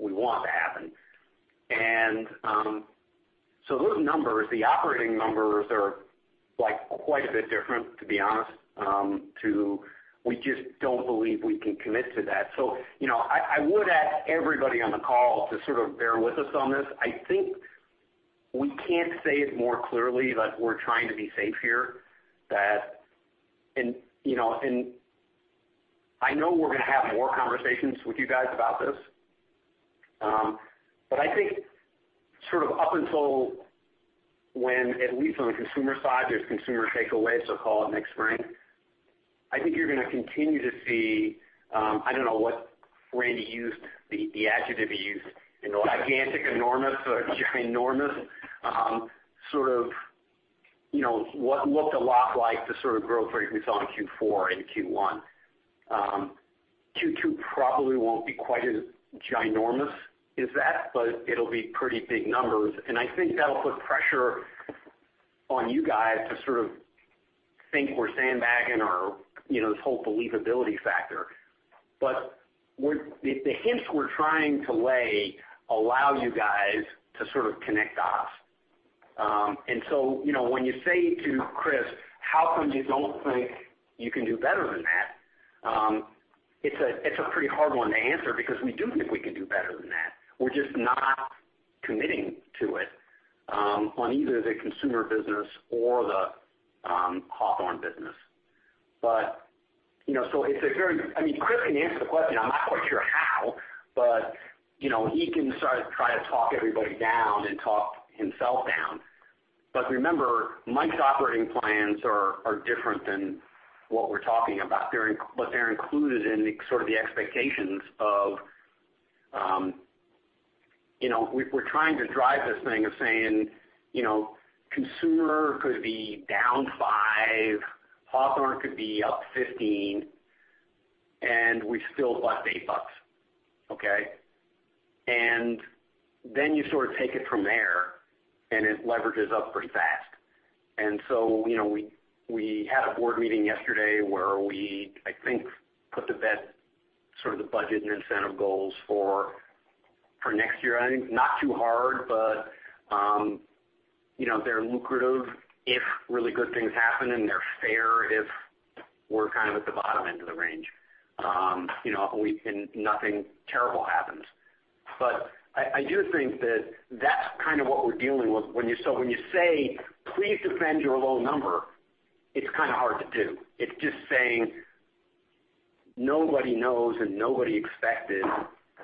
we want to happen. Those numbers, the operating numbers, are quite a bit different, to be honest. We just don't believe we can commit to that. I would ask everybody on the call to sort of bear with us on this. I think we can't say it more clearly that we're trying to be safe here. I know we're going to have more conversations with you guys about this. I think up until when, at least on the consumer side, there's consumer takeaway, so call it next spring, I think you're going to continue to see, I don't know what Randy used, the adjective he used, gigantic, enormous, ginormous, sort of what looked a lot like the sort of growth rate we saw in Q4 and Q1. Q2 probably won't be quite as ginormous as that, but it'll be pretty big numbers, I think that'll put pressure on you guys to sort of think we're sandbagging or this whole believability factor. The hints we're trying to lay allow you guys to sort of connect the dots. When you say to Chris, how come you don't think you can do better than that? It's a pretty hard one to answer because we do think we can do better than that. We're just not committing to it on either the consumer business or the Hawthorne business. Chris can answer the question. I'm not quite sure how, but he can try to talk everybody down and talk himself down. Remember, Mike's operating plans are different than what we're talking about, but they're included in sort of the expectations of We're trying to drive this thing of saying consumer could be down five, Hawthorne could be up 15, and we still bust $8. Okay? Then you sort of take it from there, and it leverages up pretty fast. We had a board meeting yesterday where we, I think, put to bed sort of the budget and incentive goals for next year. I think not too hard, but they're lucrative if really good things happen, and they're fair if we're kind of at the bottom end of the range, and nothing terrible happens. I do think that that's kind of what we're dealing with. When you say, please defend your low number, it's kind of hard to do. It's just saying nobody knows and nobody expected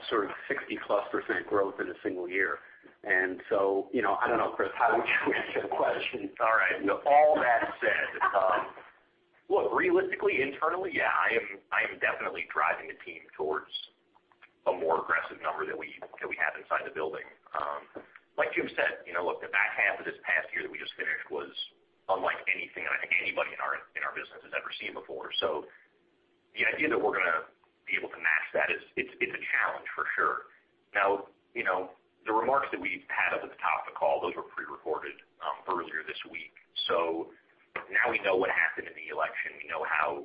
sort of 60%-plus growth in a single year. I don't know, Chris, how would you answer the question? All right. All that said, look, realistically, internally, yeah, I am definitely driving the team towards a more aggressive number than we have inside the building. Like Jim said, look, the back half of this past year that we just finished was unlike anything that I think anybody in our business has ever seen before. The idea that we're going to be able to match that, it's a challenge for sure. Now, the remarks that we had up at the top of the call, those were pre-recorded earlier this week. Now we know what happened in the election. We know how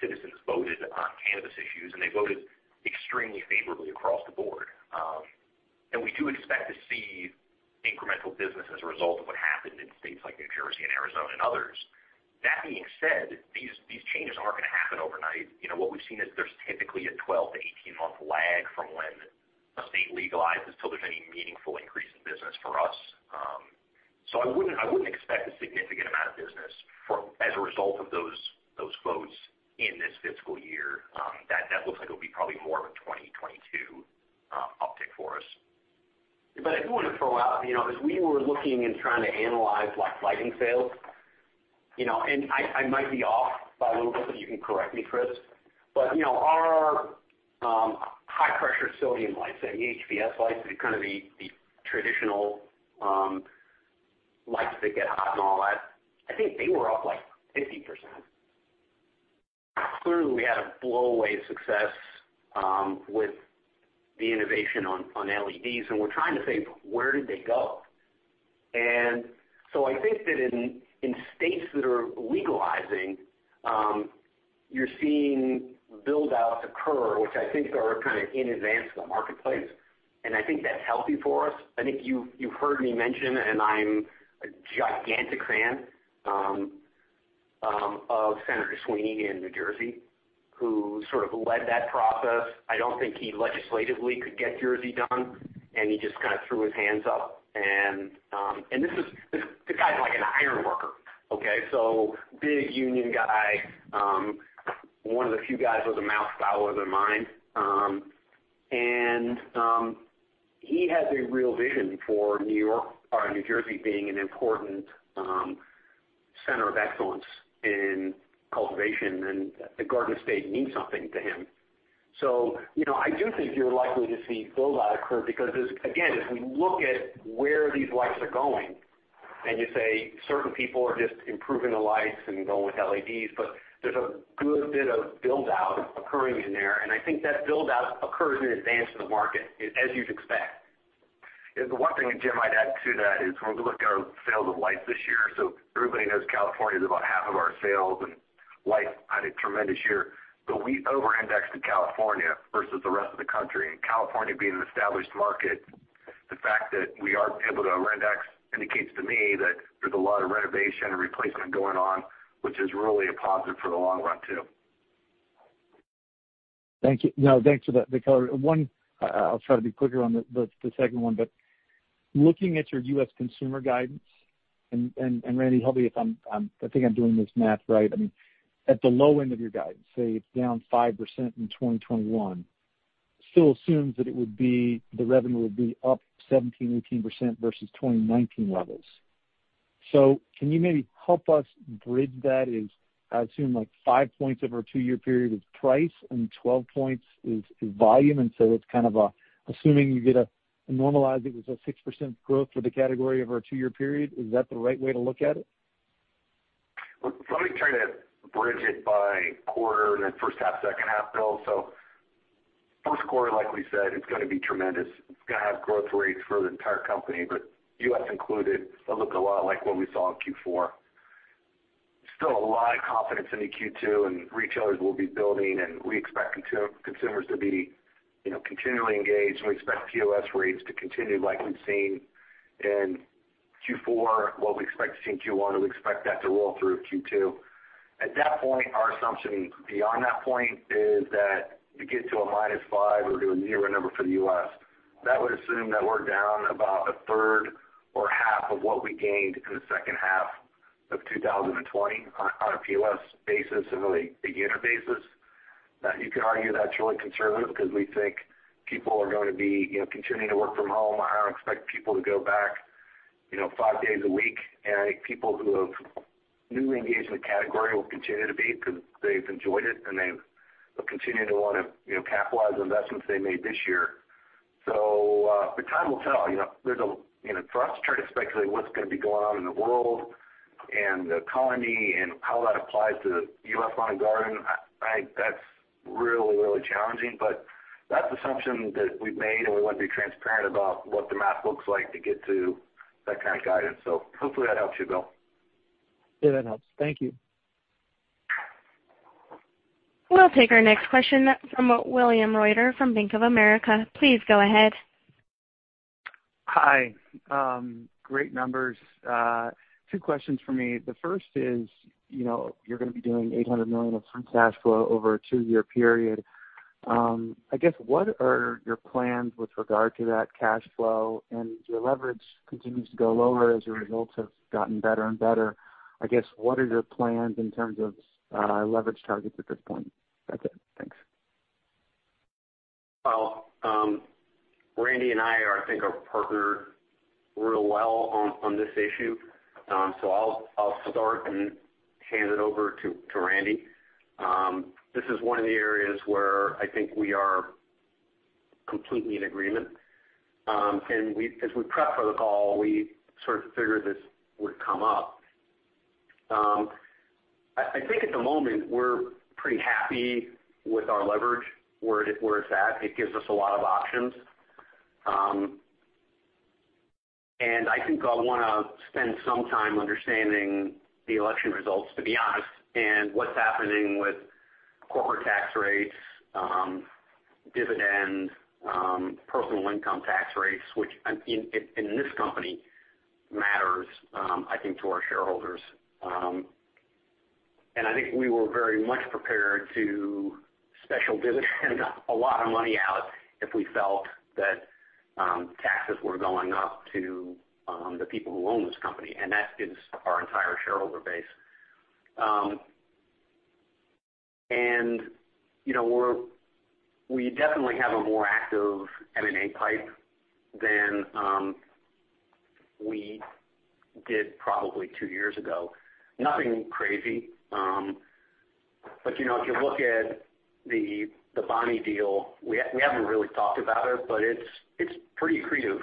citizens voted on cannabis issues, and they voted extremely favorably across the board. We do expect to see incremental business as a result of what happened in states like New Jersey and Arizona and others. That being said, these changes aren't going to happen overnight. What we've seen is there's typically a 12-18 month lag from when a state legalizes till there's any meaningful increase in business for us. I wouldn't expect a significant amount of business as a result of those votes in this fiscal year. That looks like it will be probably more of a 2022 uptick for us. I do want to throw out, as we were looking and trying to analyze lighting sales, and I might be off by a little bit, but you can correct me, Chris. Our high-pressure sodium lights, the HPS lights, they're kind of the traditional lights that get hot and all that, I think they were up 50%. Clearly, we had a blow-away success with the innovation on LEDs, and we're trying to say, "Where did they go?" I think that in states that are legalizing, you're seeing build-outs occur, which I think are kind of in advance of the marketplace, and I think that's healthy for us. I think you've heard me mention, and I'm a gigantic fan of Senator Sweeney in New Jersey, who sort of led that process. I don't think he legislatively could get New Jersey done, and he just kind of threw his hands up. The guy's like an ironworker, okay? Big union guy, one of the few guys with a mouth fouler than mine. He has a real vision for New Jersey being an important center of excellence in cultivation, and the Garden State means something to him. I do think you're likely to see build-out occur because, again, as we look at where these lights are going, and you say certain people are just improving the lights and going with LEDs, but there's a good bit of build-out occurring in there. I think that build-out occurs in advance of the market, as you'd expect. The one thing, Jim, I'd add to that is when we look at our sales of lights this year, so everybody knows California is about half of our sales, and lights had a tremendous year. We over-indexed in California versus the rest of the country. California being an established market, the fact that we are able to over-index indicates to me that there's a lot of renovation and replacement going on, which is really a positive for the long run, too. Thank you. No, thanks for that, the color. One, I'll try to be quicker on the second one, looking at your U.S. consumer guidance, and Randy, help me if I think I'm doing this math right. I mean, at the low end of your guidance, say it's down 5% in 2021, still assumes that the revenue would be up 17, 18% versus 2019 levels. Can you maybe help us bridge that as I assume like five points over a two-year period is price and 12 points is volume, and so it's kind of assuming you get a normalized, I guess, a 6% growth for the category over a two-year period. Is that the right way to look at it? Let me try to bridge it by quarter and then first half, second half, Bill. First quarter, like we said, it's gonna be tremendous. It's gonna have growth rates for the entire company, but U.S. included, it'll look a lot like what we saw in Q4. Still a lot of confidence into Q2, retailers will be building, and we expect consumers to be continually engaged, and we expect POS rates to continue like we've seen in Q4, what we expect to see in Q1, and we expect that to roll through Q2. At that point, our assumption beyond that point is that to get to a -5 or do a zero number for the U.S., that would assume that we're down about a third or half of what we gained in the second half of 2020 on a POS basis and really beginning basis. You could argue that's really conservative because we think people are going to be continuing to work from home. I don't expect people to go back five days a week. I think people who have newly engaged in the category will continue to be because they've enjoyed it, and they will continue to want to capitalize on investments they made this year. Time will tell. For us to try to speculate what's going to be going on in the world and the economy and how that applies to the U.S. lawn and garden, I think that's really, really challenging. That's assumption that we've made, and we want to be transparent about what the math looks like to get to that kind of guidance. Hopefully that helps you, Bill. Yeah, that helps. Thank you. We'll take our next question from William Reuter from Bank of America. Please go ahead. Hi. Great numbers. Two questions from me. The first is, you're gonna be doing $800 million of free cash flow over a two-year period. I guess what are your plans with regard to that cash flow? Your leverage continues to go lower as your results have gotten better and better. I guess what are your plans in terms of leverage targets at this point? That's it. Thanks. Well, Randy and I are partnered real well on this issue. I'll start and hand it over to Randy. This is one of the areas where I think we are completely in agreement. As we prepped for the call, we sort of figured this would come up. I think at the moment, we're pretty happy with our leverage, where it's at. It gives us a lot of options. I think I'll want to spend some time understanding the election results, to be honest, and what's happening with corporate tax rates, dividends, personal income tax rates, which in this company matters, I think, to our shareholders. I think we were very much prepared to special dividend a lot of money out if we felt that taxes were going up to the people who own this company, and that is our entire shareholder base. We definitely have a more active M&A pipe than we did probably two years ago. Nothing crazy. If you look at the Bonnie deal, we haven't really talked about it, but it's pretty accretive.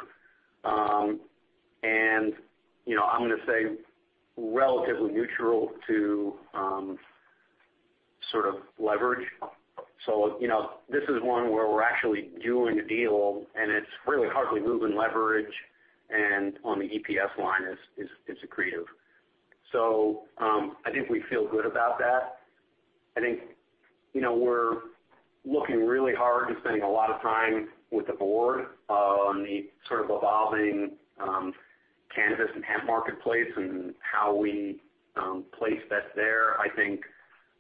I'm going to say relatively neutral to leverage. This is one where we're actually doing a deal, and it's really hardly moving leverage, and on the EPS line, it's accretive. I think we feel good about that. I think we're looking really hard and spending a lot of time with the board on the evolving cannabis and hemp marketplace and how we place bets there. I think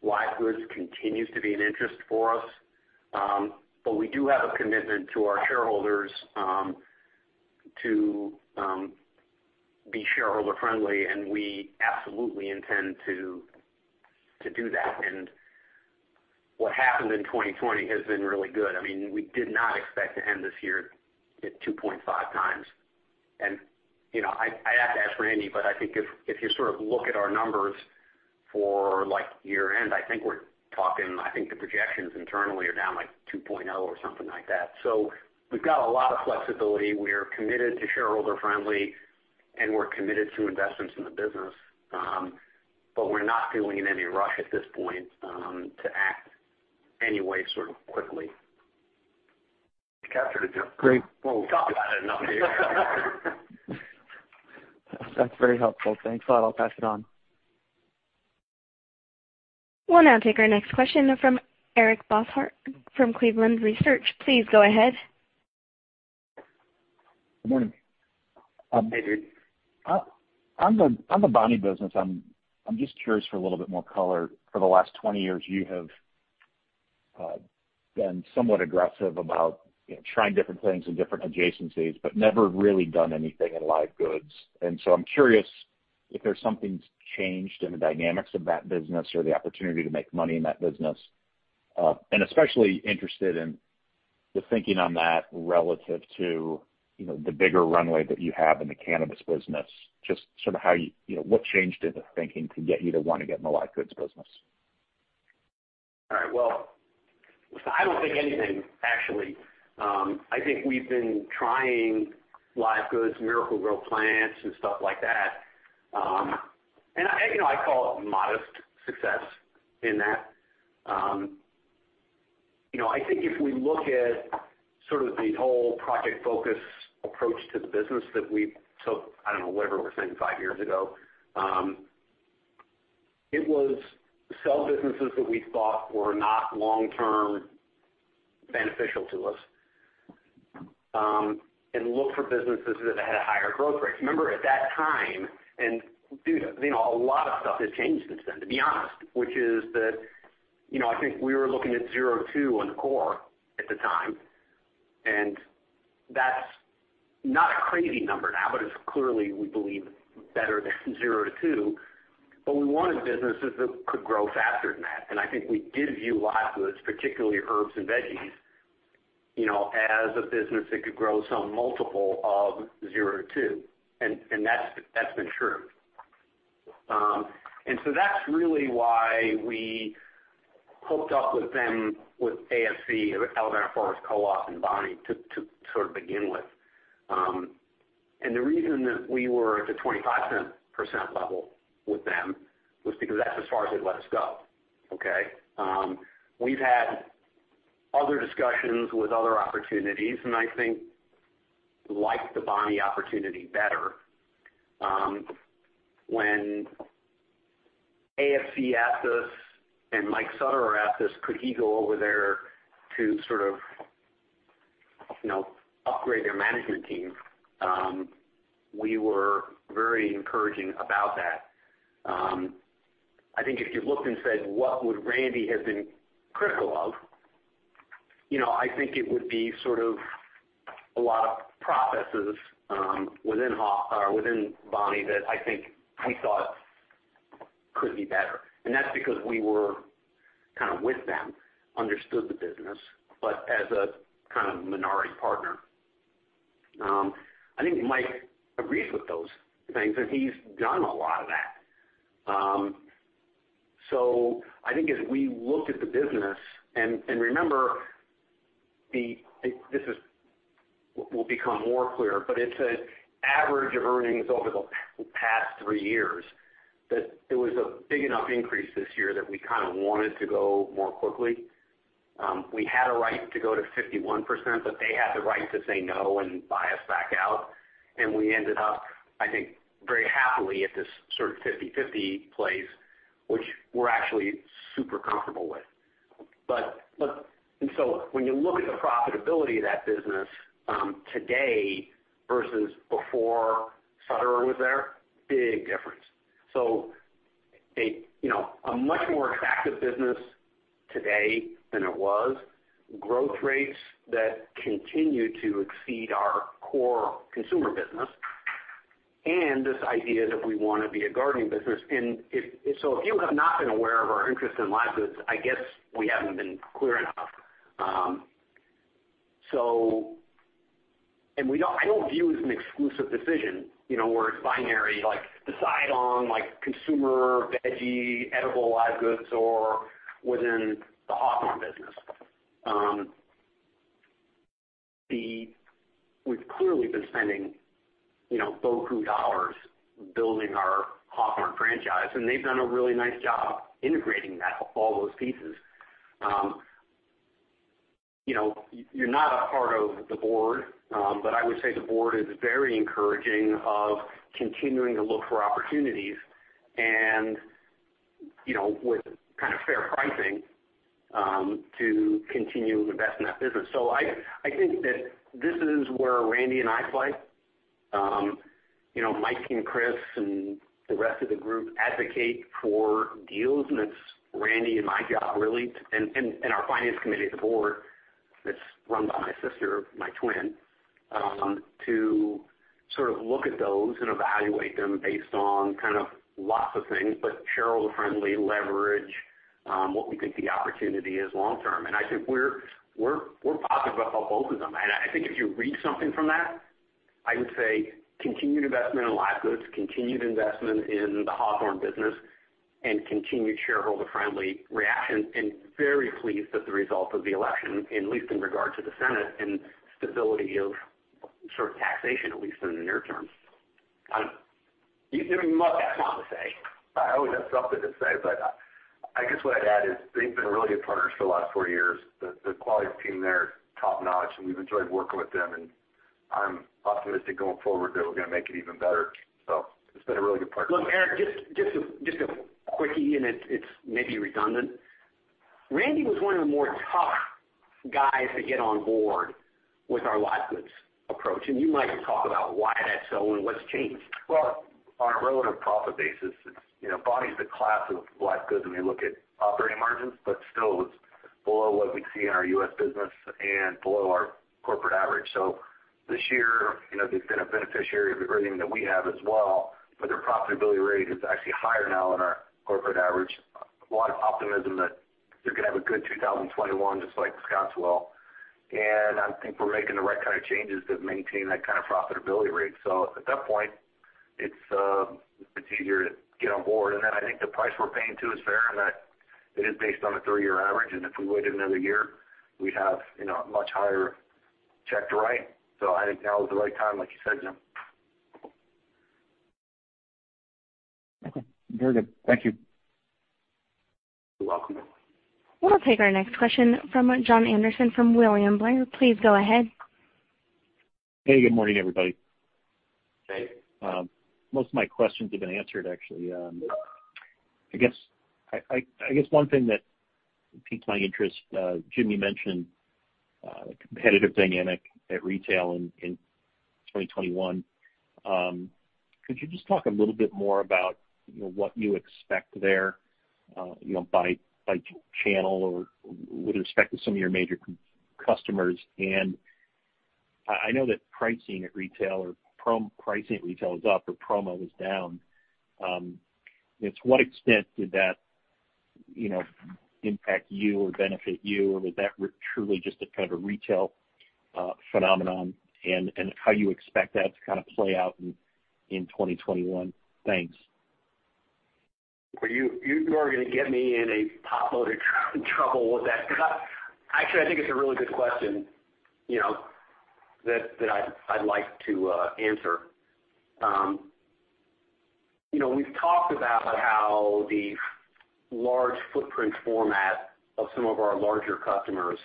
live goods continues to be an interest for us. We do have a commitment to our shareholders to be shareholder-friendly, and we absolutely intend to do that. What happened in 2020 has been really good. We did not expect to end this year at 2.5 times. I'd have to ask Randy, but I think if you look at our numbers for year-end, I think we're talking, I think the projections internally are down like 2.0 or something like that. We've got a lot of flexibility. We're committed to shareholder friendly, and we're committed to investments in the business, but we're not feeling any rush at this point to act any way sort of quickly. Catherine, did you? Great. Talk about it enough here. That's very helpful. Thanks a lot. I'll pass it on. We'll now take our next question from Eric Bosshard from Cleveland Research. Please go ahead. Good morning. Hey. On the Bonnie business, I'm just curious for a little bit more color. For the last 20 years, you have been somewhat aggressive about trying different things in different adjacencies, but never really done anything in live goods. I'm curious if there's something's changed in the dynamics of that business or the opportunity to make money in that business, and especially interested in the thinking on that relative to the bigger runway that you have in the cannabis business, just sort of what changed in the thinking to get you to want to get in the live goods business? All right. Well, I don't think anything, actually. I think we've been trying live goods, Miracle-Gro plants and stuff like that. I call it modest success in that. I think if we look at sort of the whole Project Focus approach to the business that we took, I don't know, whatever we're saying, five years ago. It was sell businesses that we thought were not long-term beneficial to us, and look for businesses that had a higher growth rate. Remember at that time, a lot of stuff has changed since then, to be honest, which is that I think we were looking at 0%-2% on core at the time, and that's not a crazy number now, but it's clearly we believe better than 0%-2%. We wanted businesses that could grow faster than that. I think we did view live goods, particularly herbs and veggies, as a business that could grow some multiple of zero two and that's been true. That's really why we hooked up with them with AFC, Alabama Farmers Co-op, and Bonnie to sort of begin with. The reason that we were at the 25% level with them was because that's as far as they'd let us go. Okay? We've had other discussions with other opportunities, and I think liked the Bonnie opportunity better. When AFC asked us, and Mike Sutterer asked us, could he go over there to upgrade their management team? We were very encouraging about that. I think if you looked and said, "What would Randy have been critical of?" I think it would be sort of a lot of processes within Bonnie that I think we thought could be better. That's because we were kind of with them, understood the business, but as a kind of minority partner. I think Mike Sutterer agrees with those things, and he's done a lot of that. I think as we look at the business, and remember this will become more clear, but it's an average of earnings over the past three years, that it was a big enough increase this year that we kind of wanted to go more quickly. We had a right to go to 51%, they had the right to say no and buy us back out. We ended up, I think, very happily at this sort of 50/50 place, which we're actually super comfortable with. When you look at the profitability of that business today versus before Sutterer was there, big difference. A much more attractive business today than it was. Growth rates that continue to exceed our core consumer business. This idea that we want to be a gardening business. If you have not been aware of our interest in live goods, I guess we haven't been clear enough. I don't view it as an exclusive decision where it's binary, like decide on consumer veggie, edible live goods or within the Hawthorne business. We've clearly been spending beaucoup dollars building our Hawthorne franchise, and they've done a really nice job integrating all those pieces. You're not a part of the board, but I would say the board is very encouraging of continuing to look for opportunities and, with kind of fair pricing, to continue to invest in that business. I think that this is where Randy and I fight. Mike Lukemire and Chris Hagedorn and the rest of the group advocate for deals, and it's Randy Coleman and my job, really, and our finance committee at the board, that's run by my sister, my twin, to sort of look at those and evaluate them based on lots of things, but shareholder-friendly leverage, what we think the opportunity is long term. I think we're positive about both of them. I think if you read something from that, I would say continued investment in live goods, continued investment in the Hawthorne Gardening Company, and continued shareholder-friendly reaction, and very pleased with the result of the election, at least in regard to the Senate and stability of sort of taxation, at least in the near term. You must have something to say. I always have something to say. I guess what I'd add is they've been a really good partners for the last four years. The quality of the team there, top-notch, and we've enjoyed working with them. I'm optimistic going forward that we're going to make it even better. It's been a really good partnership. Look, Eric, just a quickie, and it's maybe redundant. Randy was one of the more tough guys to get on board with our live goods approach. You might talk about why that's so and what's changed. On a relative profit basis, Bonnie's the class of live goods when we look at operating margins, but still, it was below what we'd see in our U.S. business and below our corporate average. This year, they've been a beneficiary of the growth that we have as well, but their profitability rate is actually higher now than our corporate average. A lot of optimism that they're going to have a good 2021, just like Scotts will. I think we're making the right kind of changes to maintain that kind of profitability rate. At that point, it's easier to get on board. I think the price we're paying too is fair in that it is based on a three-year average. If we waited another year, we'd have a much higher check to write. I think now is the right time, like you said, Jim. Okay. Very good. Thank you. You're welcome. We'll take our next question from Jon Andersen from William Blair. Please go ahead. Hey, good morning, everybody. Hey. Most of my questions have been answered, actually. I guess one thing that piqued my interest, Jim, you mentioned the competitive dynamic at retail in 2021. Could you just talk a little bit more about what you expect there by channel or with respect to some of your major customers? I know that pricing at retail is up or promo is down. To what extent did that impact you or benefit you, or was that truly just a kind of a retail phenomenon? How you expect that to kind of play out in 2021? Thanks. You are going to get me in a potload of trouble with that. Actually, I think it's a really good question that I'd like to answer. We've talked about how the large footprint format of some of our larger customers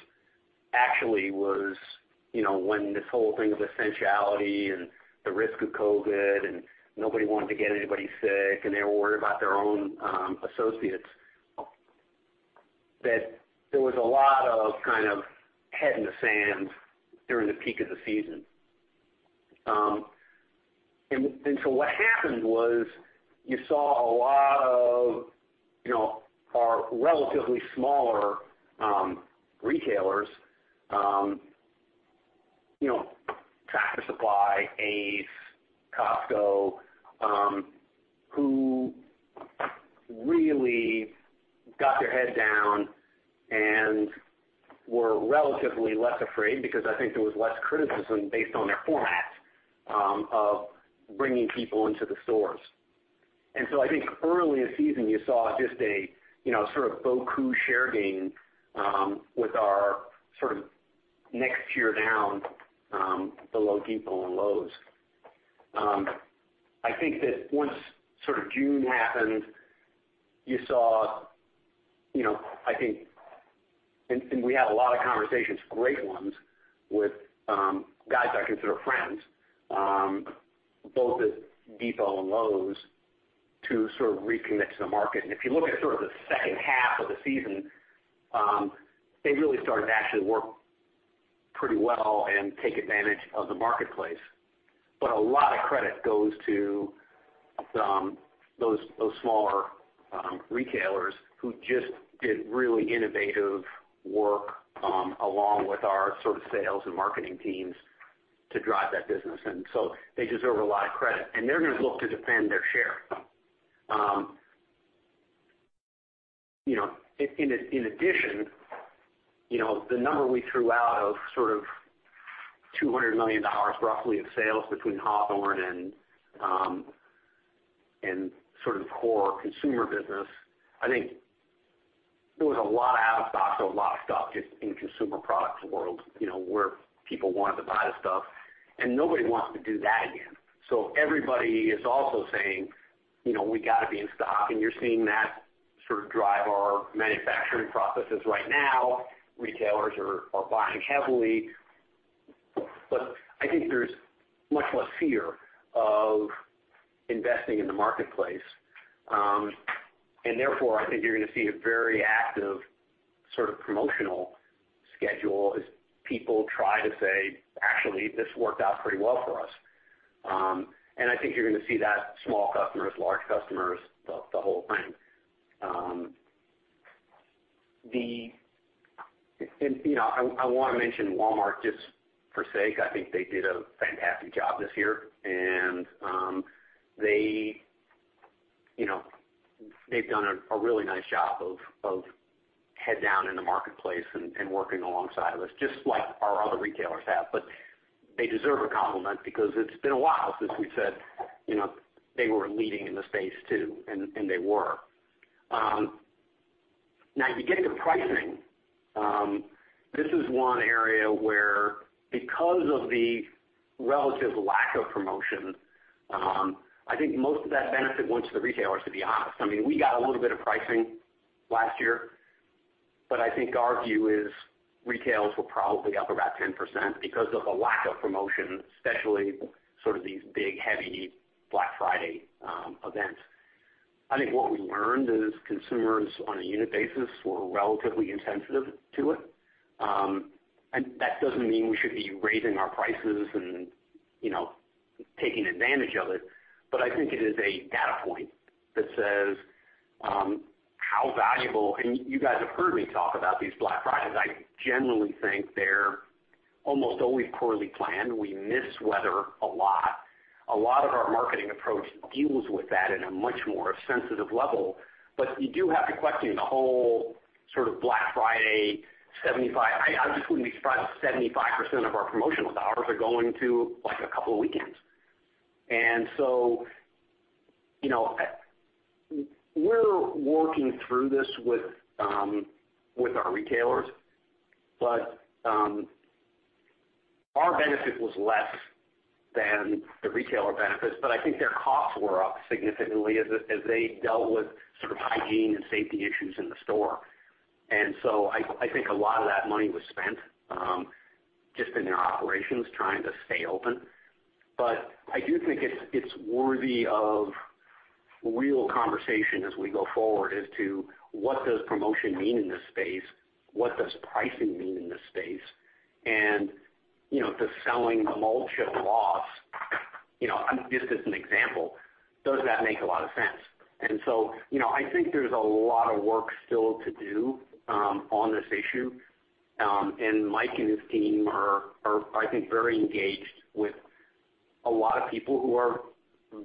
actually was when this whole thing of essentiality and the risk of COVID and nobody wanted to get anybody sick and they were worried about their own associates, that there was a lot of kind of head in the sand during the peak of the season. What happened was you saw a lot of our relatively smaller retailers, Tractor Supply, Ace, Costco, who really got their head down and were relatively less afraid because I think there was less criticism based on their format of bringing people into the stores. I think early in the season, you saw just a sort of beaucoup share gain with our sort of next tier down below The Home Depot and Lowe's. I think that once sort of June happened, you saw, and we had a lot of conversations, great ones, with guys I consider friends, both at The Home Depot and Lowe's, to sort of reconnect to the market. If you look at sort of the second half of the season, they really started to actually work pretty well and take advantage of the marketplace. A lot of credit goes to those smaller retailers who just did really innovative work along with our sales and marketing teams to drive that business. They deserve a lot of credit, and they're going to look to defend their share. The number we threw out of $200 million roughly of sales between Hawthorne and core consumer business, I think there was a lot out of stock, or a lot of stock just in consumer products world where people wanted to buy the stuff and nobody wants to do that again. Everybody is also saying, "We got to be in stock." You're seeing that drive our manufacturing processes right now. Retailers are buying heavily. I think there's much less fear of investing in the marketplace. Therefore, I think you're going to see a very active promotional schedule as people try to say, "Actually, this worked out pretty well for us." I think you're going to see that small customers, large customers, the whole thing. I want to mention Walmart just for sake. I think they did a fantastic job this year. They've done a really nice job of head down in the marketplace and working alongside of us, just like our other retailers have. They deserve a compliment because it's been a while since we said they were leading in the space too, and they were. Now you get to pricing. This is one area where, because of the relative lack of promotion, I think most of that benefit went to the retailers, to be honest. We got a little bit of pricing last year, but I think our view is retails were probably up about 10% because of a lack of promotion, especially these big, heavy Black Friday events. I think what we learned is consumers, on a unit basis, were relatively insensitive to it. That doesn't mean we should be raising our prices and taking advantage of it. I think it is a data point that says how valuable. You guys have heard me talk about these Black Fridays. I generally think they're almost always poorly planned. We miss weather a lot. A lot of our marketing approach deals with that in a much more sensitive level. You do have to question the whole Black Friday. I just wouldn't be surprised if 75% of our promotional dollars are going to a couple weekends. We're working through this with our retailers, but our benefit was less than the retailer benefits. I think their costs were up significantly as they dealt with hygiene and safety issues in the store. I think a lot of that money was spent just in their operations trying to stay open. I do think it's worthy of real conversation as we go forward as to what does promotion mean in this space? What does pricing mean in this space? Does selling mulch at a loss, just as an example, does that make a lot of sense? I think there's a lot of work still to do on this issue. Mike and his team are, I think, very engaged with a lot of people who are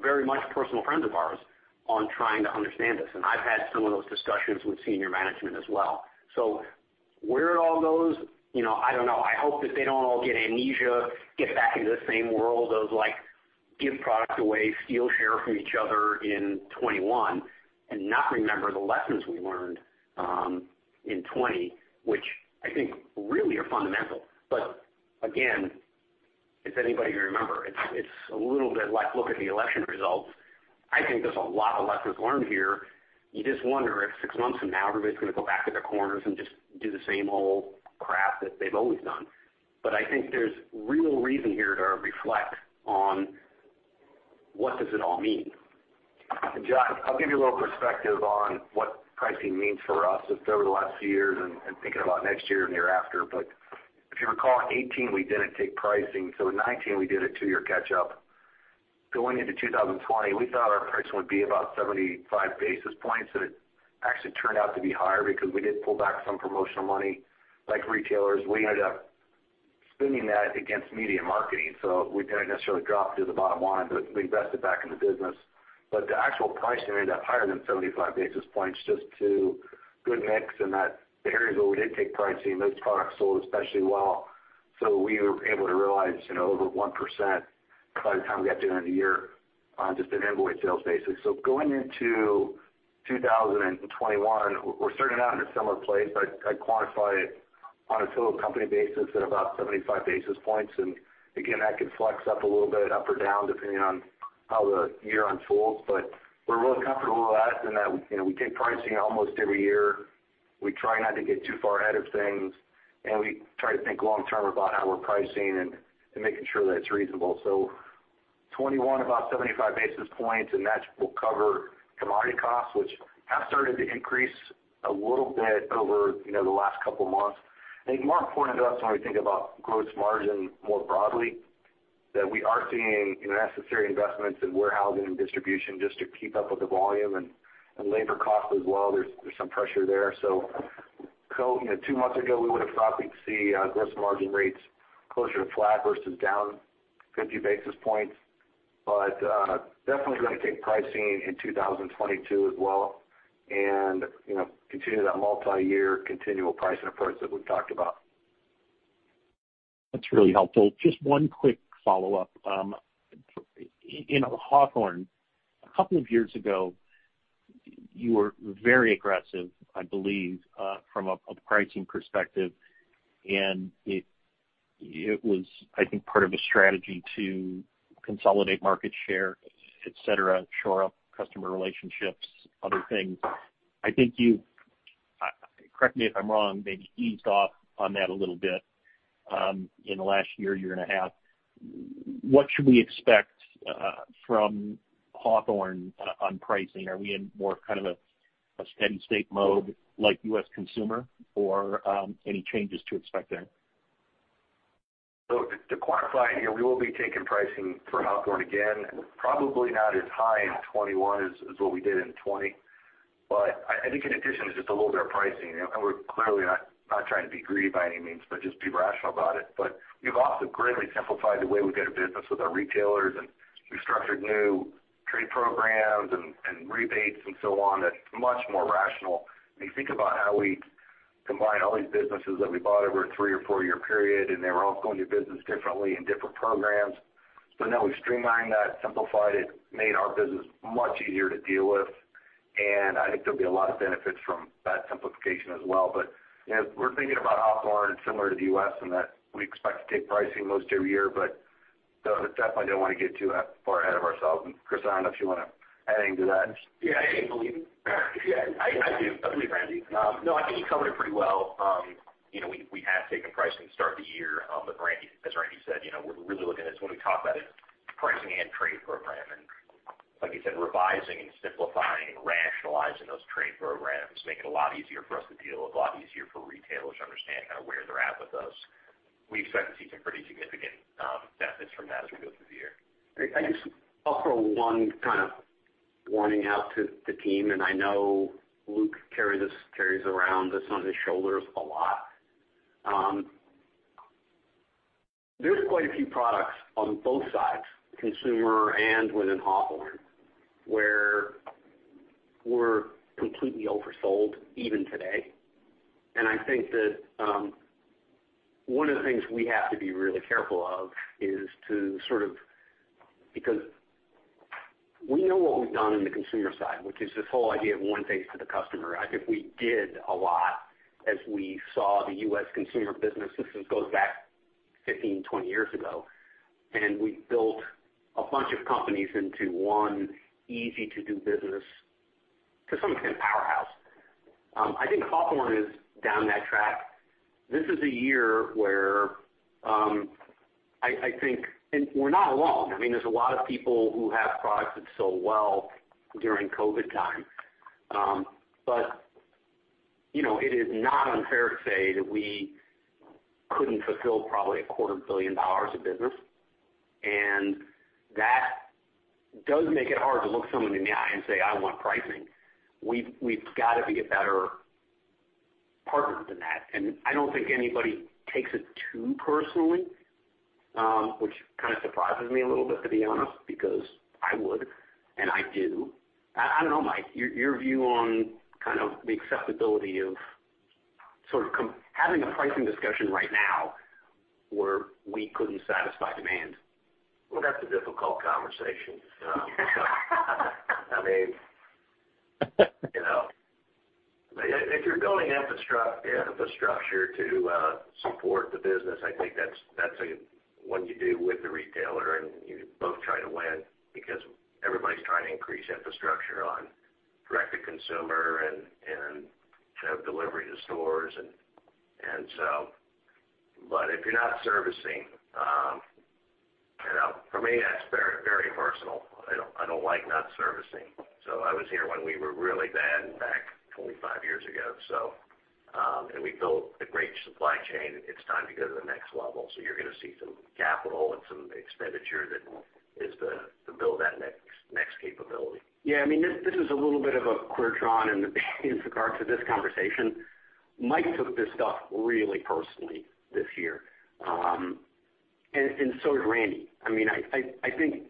very much personal friends of ours on trying to understand this. I've had some of those discussions with senior management as well. Where it all goes, I don't know. I hope that they don't all get amnesia, get back into the same world of give product away, steal share from each other in 2021, and not remember the lessons we learned in 2020, which I think really are fundamental. Again, if anybody can remember, it's a little bit like, look at the election results. I think there's a lot of lessons learned here. You just wonder if six months from now, everybody's going to go back to their corners and just do the same old crap that they've always done. I think there's real reason here to reflect on what does it all mean. Jon, I'll give you a little perspective on what pricing means for us just over the last few years and thinking about next year and thereafter. If you recall, in 2018, we didn't take pricing. In 2019, we did a two-year catch-up. Going into 2020, we thought our pricing would be about 75 basis points, and it actually turned out to be higher because we did pull back some promotional money. Like retailers, we ended up spending that against media marketing, so we didn't necessarily drop to the bottom line, but we invested back in the business. The actual pricing ended up higher than 75 basis points just to good mix in that the areas where we did take pricing, those products sold especially well. We were able to realize over 1% by the time we got to the end of the year on just an invoice sales basis. Going into 2021, we're starting out in a similar place, but I'd quantify it on a total company basis at about 75 basis points. Again, that could flex up a little bit up or down, depending on how the year unfolds. We're really comfortable with that in that we take pricing almost every year. We try not to get too far ahead of things, and we try to think long term about our pricing and making sure that it's reasonable. 2021, about 75 basis points, and that will cover commodity costs, which have started to increase a little bit over the last couple of months. I think more important to us when we think about gross margin more broadly, that we are seeing necessary investments in warehousing and distribution just to keep up with the volume and labor costs as well. There's some pressure there. Two months ago, we would have thought we'd see gross margin rates closer to flat versus down 50 basis points. Definitely going to take pricing in 2022 as well and continue that multi-year continual pricing approach that we've talked about. That's really helpful. Just one quick follow-up. In Hawthorne, a couple of years ago, you were very aggressive, I believe, from a pricing perspective, it was, I think, part of a strategy to consolidate market share, et cetera, shore up customer relationships, other things. I think you, correct me if I'm wrong, maybe eased off on that a little bit in the last year and a half. What should we expect from Hawthorne on pricing? Are we in more of a steady state mode like U.S. Consumer, or any changes to expect there? To quantify, we will be taking pricing for Hawthorne again. Probably not as high in 2021 as what we did in 2020. I think in addition to just a little bit of pricing, and we are clearly not trying to be greedy by any means, but just be rational about it. We have also greatly simplified the way we do business with our retailers, and we have structured new trade programs and rebates and so on that is much more rational. When you think about how we combine all these businesses that we bought over a three or four-year period, and they were all going to business differently in different programs. Now we have streamlined that, simplified it, made our business much easier to deal with, and I think there will be a lot of benefits from that simplification as well. As we're thinking about Hawthorne, it's similar to the U.S. in that we expect to take pricing most every year, but definitely don't want to get too far ahead of ourselves. Chris, I don't know if you want to add anything to that. Yeah. I do. Absolutely, Randy. I think you covered it pretty well. We have taken price from the start of the year. Randy, as Randy said, we're really looking at this when we talk about it, pricing and trade program. Like you said, revising and simplifying and rationalizing those trade programs make it a lot easier for us to deal, a lot easier for retailers to understand where they're at with us. We expect to see some pretty significant benefits from that as we go through the year. Great. Thanks. One warning out to the team, I know Luke carries around this on his shoulders a lot. There's quite a few products on both sides, Consumer and within Hawthorne, where we're completely oversold even today. I think that one of the things we have to be really careful of is because we know what we've done in the Consumer side, which is this whole idea of one face to the customer. I think we did a lot as we saw the U.S. Consumer business, which goes back 15, 20 years ago. We built a bunch of companies into one easy to do business to some extent, powerhouse. I think Hawthorne is down that track. This is a year where We're not alone. There's a lot of people who have products that sold well during COVID time. It is not unfair to say that we couldn't fulfill probably a quarter billion dollars of business. That does make it hard to look someone in the eye and say, "I want pricing." We've got to be a better partner than that. I don't think anybody takes it too personally, which kind of surprises me a little bit, to be honest, because I would, and I do. I don't know, Mike, your view on kind of the acceptability of sort of having a pricing discussion right now where we couldn't satisfy demand. That's a difficult conversation. If you're building infrastructure to support the business, I think that's one you do with the retailer, and you both try to win because everybody's trying to increase infrastructure on direct-to-consumer and delivery to stores. If you're not servicing, for me, that's very personal. I don't like not servicing. I was here when we were really bad back 25 years ago, and we built a great supply chain. It's time to go to the next level. You're going to see some capital and some expenditure that is to build that next capability. Yeah. This is a little bit of a clear line drawn in regards to this conversation. Mike took this stuff really personally this year. So did Randy. I think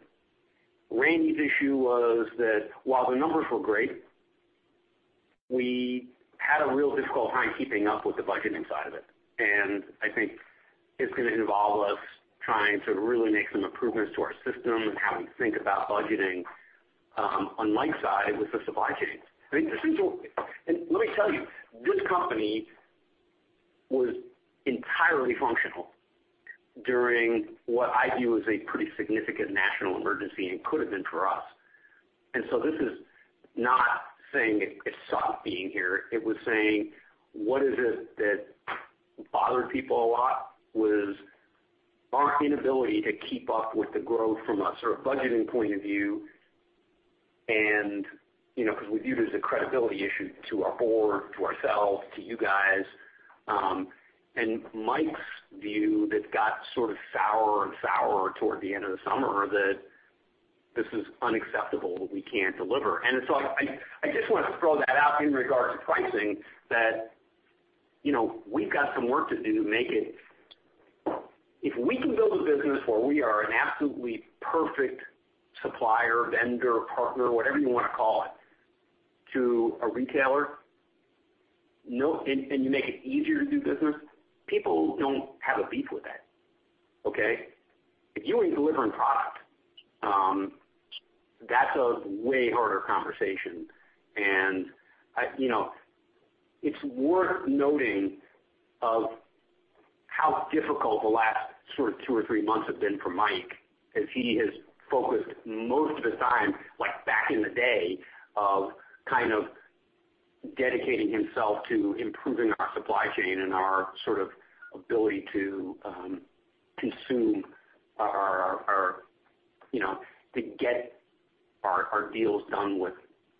Randy's issue was that while the numbers were great, we had a real difficult time keeping up with the budgeting side of it. I think it's going to involve us trying to really make some improvements to our system and how we think about budgeting. On Mike's side, with the supply chain. Let me tell you, this company was entirely functional during what I view as a pretty significant national emergency and could have been for us. So this is not saying it sucked being here. It was saying. Bothered people a lot was our inability to keep up with the growth from a sort of budgeting point of view, because we view it as a credibility issue to our board, to ourselves, to you guys. Mike's view that got sort of sourer and sourer toward the end of the summer, that this is unacceptable, that we can't deliver. I just want to throw that out in regards to pricing that we've got some work to do to make it If we can build a business where we are an absolutely perfect supplier, vendor, partner, whatever you want to call it, to a retailer, and you make it easier to do business, people don't have a beef with that. Okay. If you ain't delivering product, that's a way harder conversation. It's worth noting of how difficult the last sort of two or three months have been for Mike, as he has focused most of his time, like back in the day, of kind of dedicating himself to improving our supply chain and our ability to get our deals done with,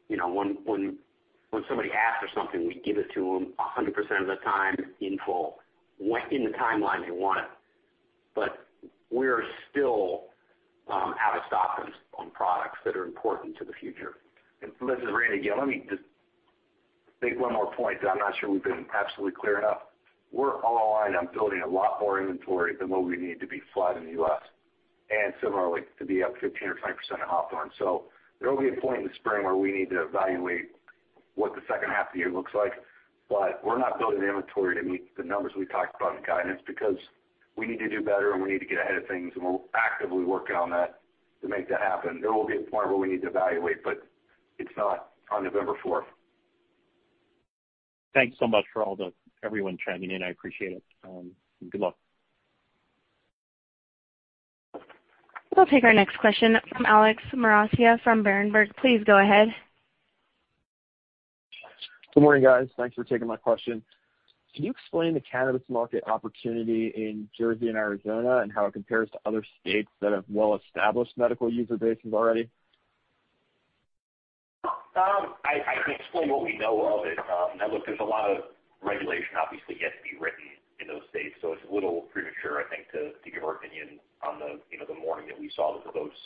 when somebody asks for something, we give it to them 100% of the time in full, in the timeline they want it. We're still out of stock on products that are important to the future. This is Randy, yeah. Let me just make one more point, because I'm not sure we've been absolutely clear enough. We're all aligned on building a lot more inventory than what we need to be flat in the U.S., and similarly to be up 15 or 20% in Hawthorne. There will be a point in the spring where we need to evaluate what the second half of the year looks like, but we're not building the inventory to meet the numbers we talked about in the guidance, because we need to do better, and we need to get ahead of things, and we're actively working on that to make that happen. There will be a point where we need to evaluate, but it's not on November 4th. Thanks so much for everyone chiming in. I appreciate it, and good luck. We'll take our next question from Alex Maroccia from Berenberg. Please go ahead. Good morning, guys. Thanks for taking my question. Can you explain the cannabis market opportunity in Jersey and Arizona, and how it compares to other states that have well-established medical user bases already? I can explain what we know of it. Now, look, there's a lot of regulation obviously yet to be written in those states, so it's a little premature, I think, to give our opinion on the morning that we saw that the votes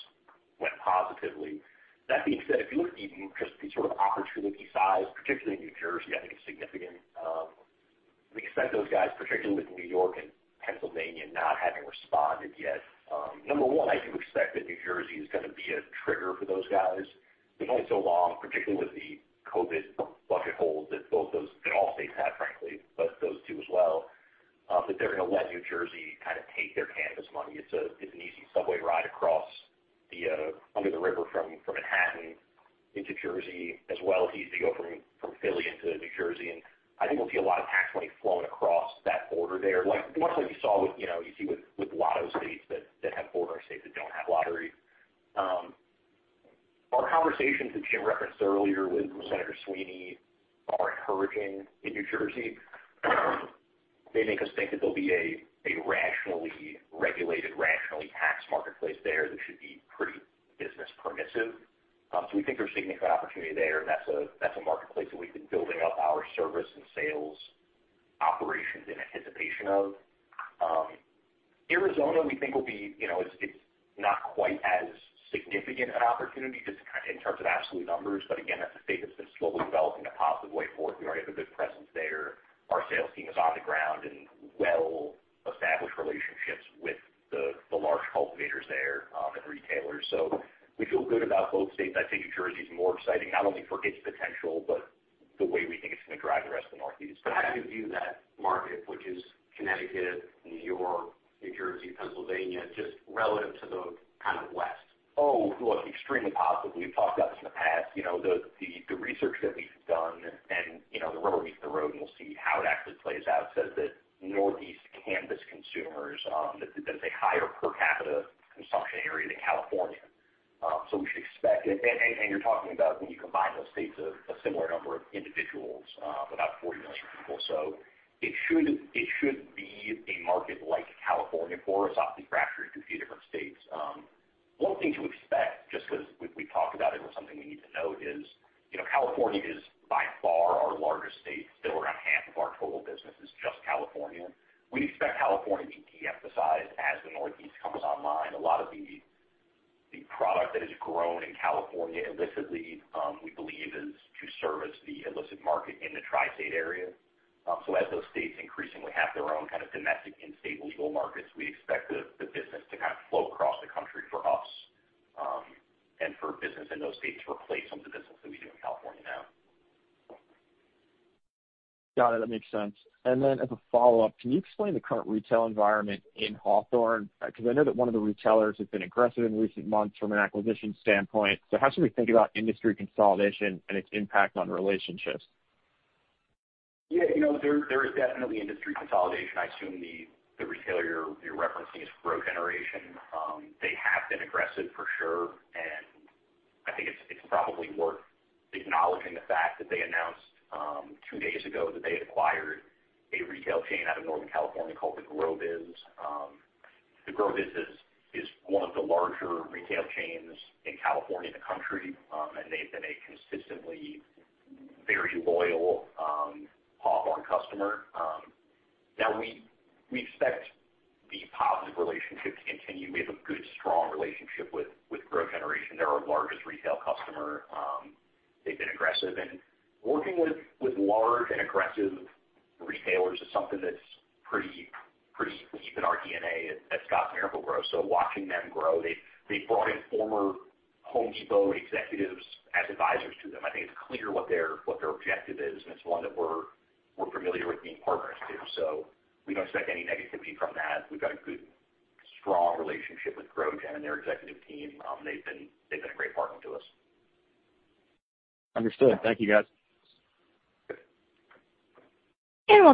went positively. That being said, if you look even just the sort of opportunity size, particularly New Jersey, I think it's significant. We expect those guys, particularly with New York and Pennsylvania not having responded yet. Number one, I do expect that New Jersey is going to be a trigger for those guys. They've gone so long, particularly with the COVID budget holes that all states had, frankly, but those two as well, that they're going to let New Jersey kind of take their cannabis money. It's an easy subway ride across under the river from Manhattan into Jersey, as well as easy to go from Philly into New Jersey. I think we'll see a lot of tax money flowing across that border there. Much like you see with lotto states that have border states that don't have lottery. Our conversations that Jim referenced earlier with Senator Sweeney are encouraging in New Jersey. They make us think that there'll be a rationally regulated, rationally taxed marketplace there that should be pretty business permissive. We think there's significant opportunity there, and that's a marketplace that we've been building up our service and sales operations in anticipation of. Arizona, we think will be, it's not quite as significant an opportunity just in terms of absolute numbers, but again, that's a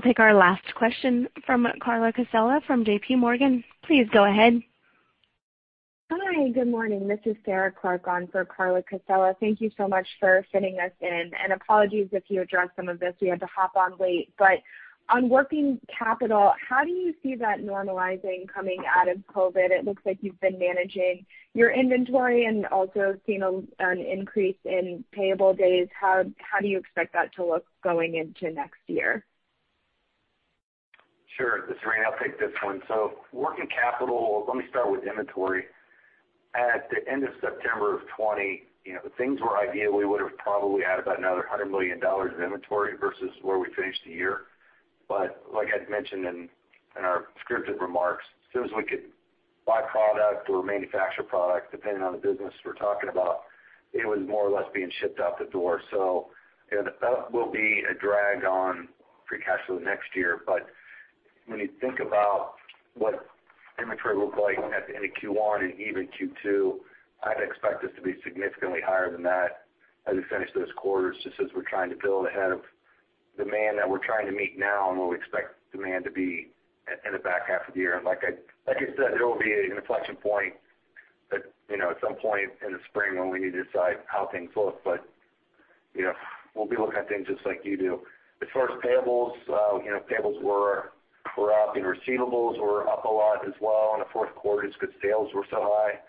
take our last question from Carla Casella from JPMorgan. Please go ahead. Hi, good morning. This is Sarah Clark on for Carla Casella. Thank you so much for fitting us in, and apologies if you addressed some of this. We had to hop on late. On working capital, how do you see that normalizing coming out of COVID? It looks like you've been managing your inventory and also seen an increase in payable days. How do you expect that to look going into next year? Sure. This is Randy. I'll take this one. Working capital, let me start with inventory. At the end of September of 2020, things where ideally we would've probably had about another $100 million in inventory versus where we finished the year. Like I'd mentioned in our scripted remarks, as soon as we could buy product or manufacture product, depending on the business we're talking about, it was more or less being shipped out the door. That will be a drag on free cash flow next year. When you think about what inventory looked like at the end of Q1 and even Q2, I'd expect us to be significantly higher than that as we finish those quarters, just as we're trying to build ahead of demand that we're trying to meet now and where we expect demand to be in the back half of the year. Like I said, there will be an inflection point at some point in the spring when we need to decide how things look. We'll be looking at things just like you do. As far as payables were up and receivables were up a lot as well in the fourth quarter just because sales were so high.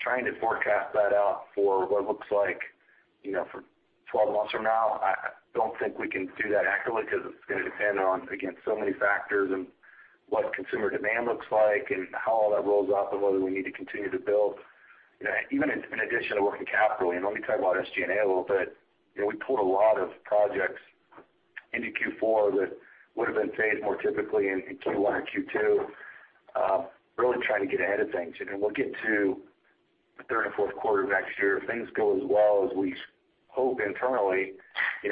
Trying to forecast that out for what it looks like for 12 months from now, I don't think we can do that accurately because it's going to depend on, again, so many factors and what consumer demand looks like and how all that rolls out and whether we need to continue to build. Even in addition to working capital, let me talk about SG&A a little bit. We pulled a lot of projects into Q4 that would've been phased more typically in Q1 or Q2. Really trying to get ahead of things. We'll get to the third and fourth quarter of next year. If things go as well as we hope internally,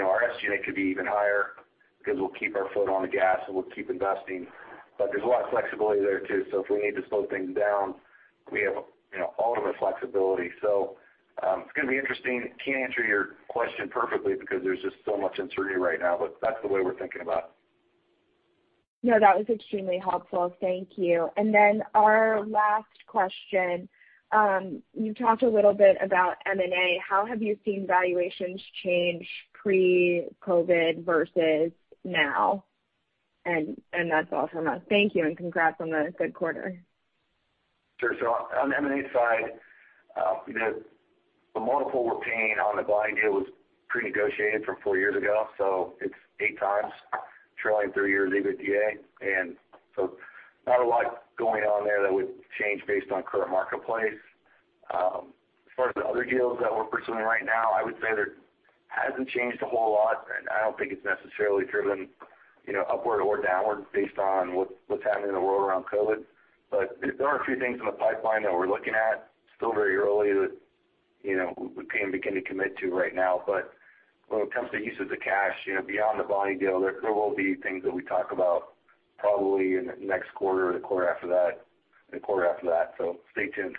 our SG&A could be even higher because we'll keep our foot on the gas and we'll keep investing. There's a lot of flexibility there, too. If we need to slow things down, we have all of our flexibility. It's going to be interesting. Can't answer your question perfectly because there's just so much uncertainty right now, but that's the way we're thinking about it. No, that was extremely helpful. Thank you. Our last question. You talked a little bit about M&A. How have you seen valuations change pre-COVID versus now? That's all from us. Thank you, and congrats on the good quarter. Sure. On the M&A side, the multiple we're paying on the Bonnie deal was prenegotiated from four years ago, so it's eight times trailing three years EBITDA. Not a lot going on there that would change based on current marketplace. As far as the other deals that we're pursuing right now, I would say that it hasn't changed a whole lot, and I don't think it's necessarily driven upward or downward based on what's happening in the world around COVID. There are a few things in the pipeline that we're looking at. Still very early that we can't begin to commit to right now. When it comes to usage of cash, beyond the Bonnie deal, there will be things that we talk about probably in the next quarter or the quarter after that, and the quarter after that. Stay tuned.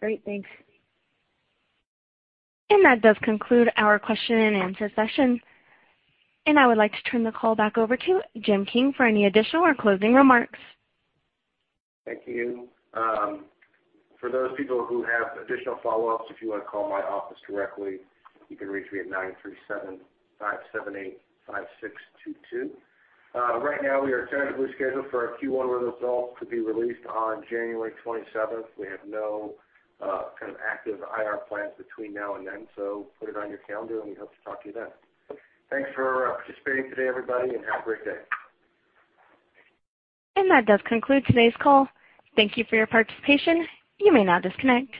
Great. Thanks. That does conclude our question and answer session. I would like to turn the call back over to Jim King for any additional or closing remarks. Thank you. For those people who have additional follow-ups, if you want to call my office directly, you can reach me at nine, three, seven, five, seven, eight, five, six, two. Right now, we are tentatively scheduled for our Q1 results to be released on January 27th. We have no kind of active IR plans between now and then. Put it on your calendar and we hope to talk to you then. Thanks for participating today, everybody, and have a great day. That does conclude today's call. Thank you for your participation. You may now disconnect.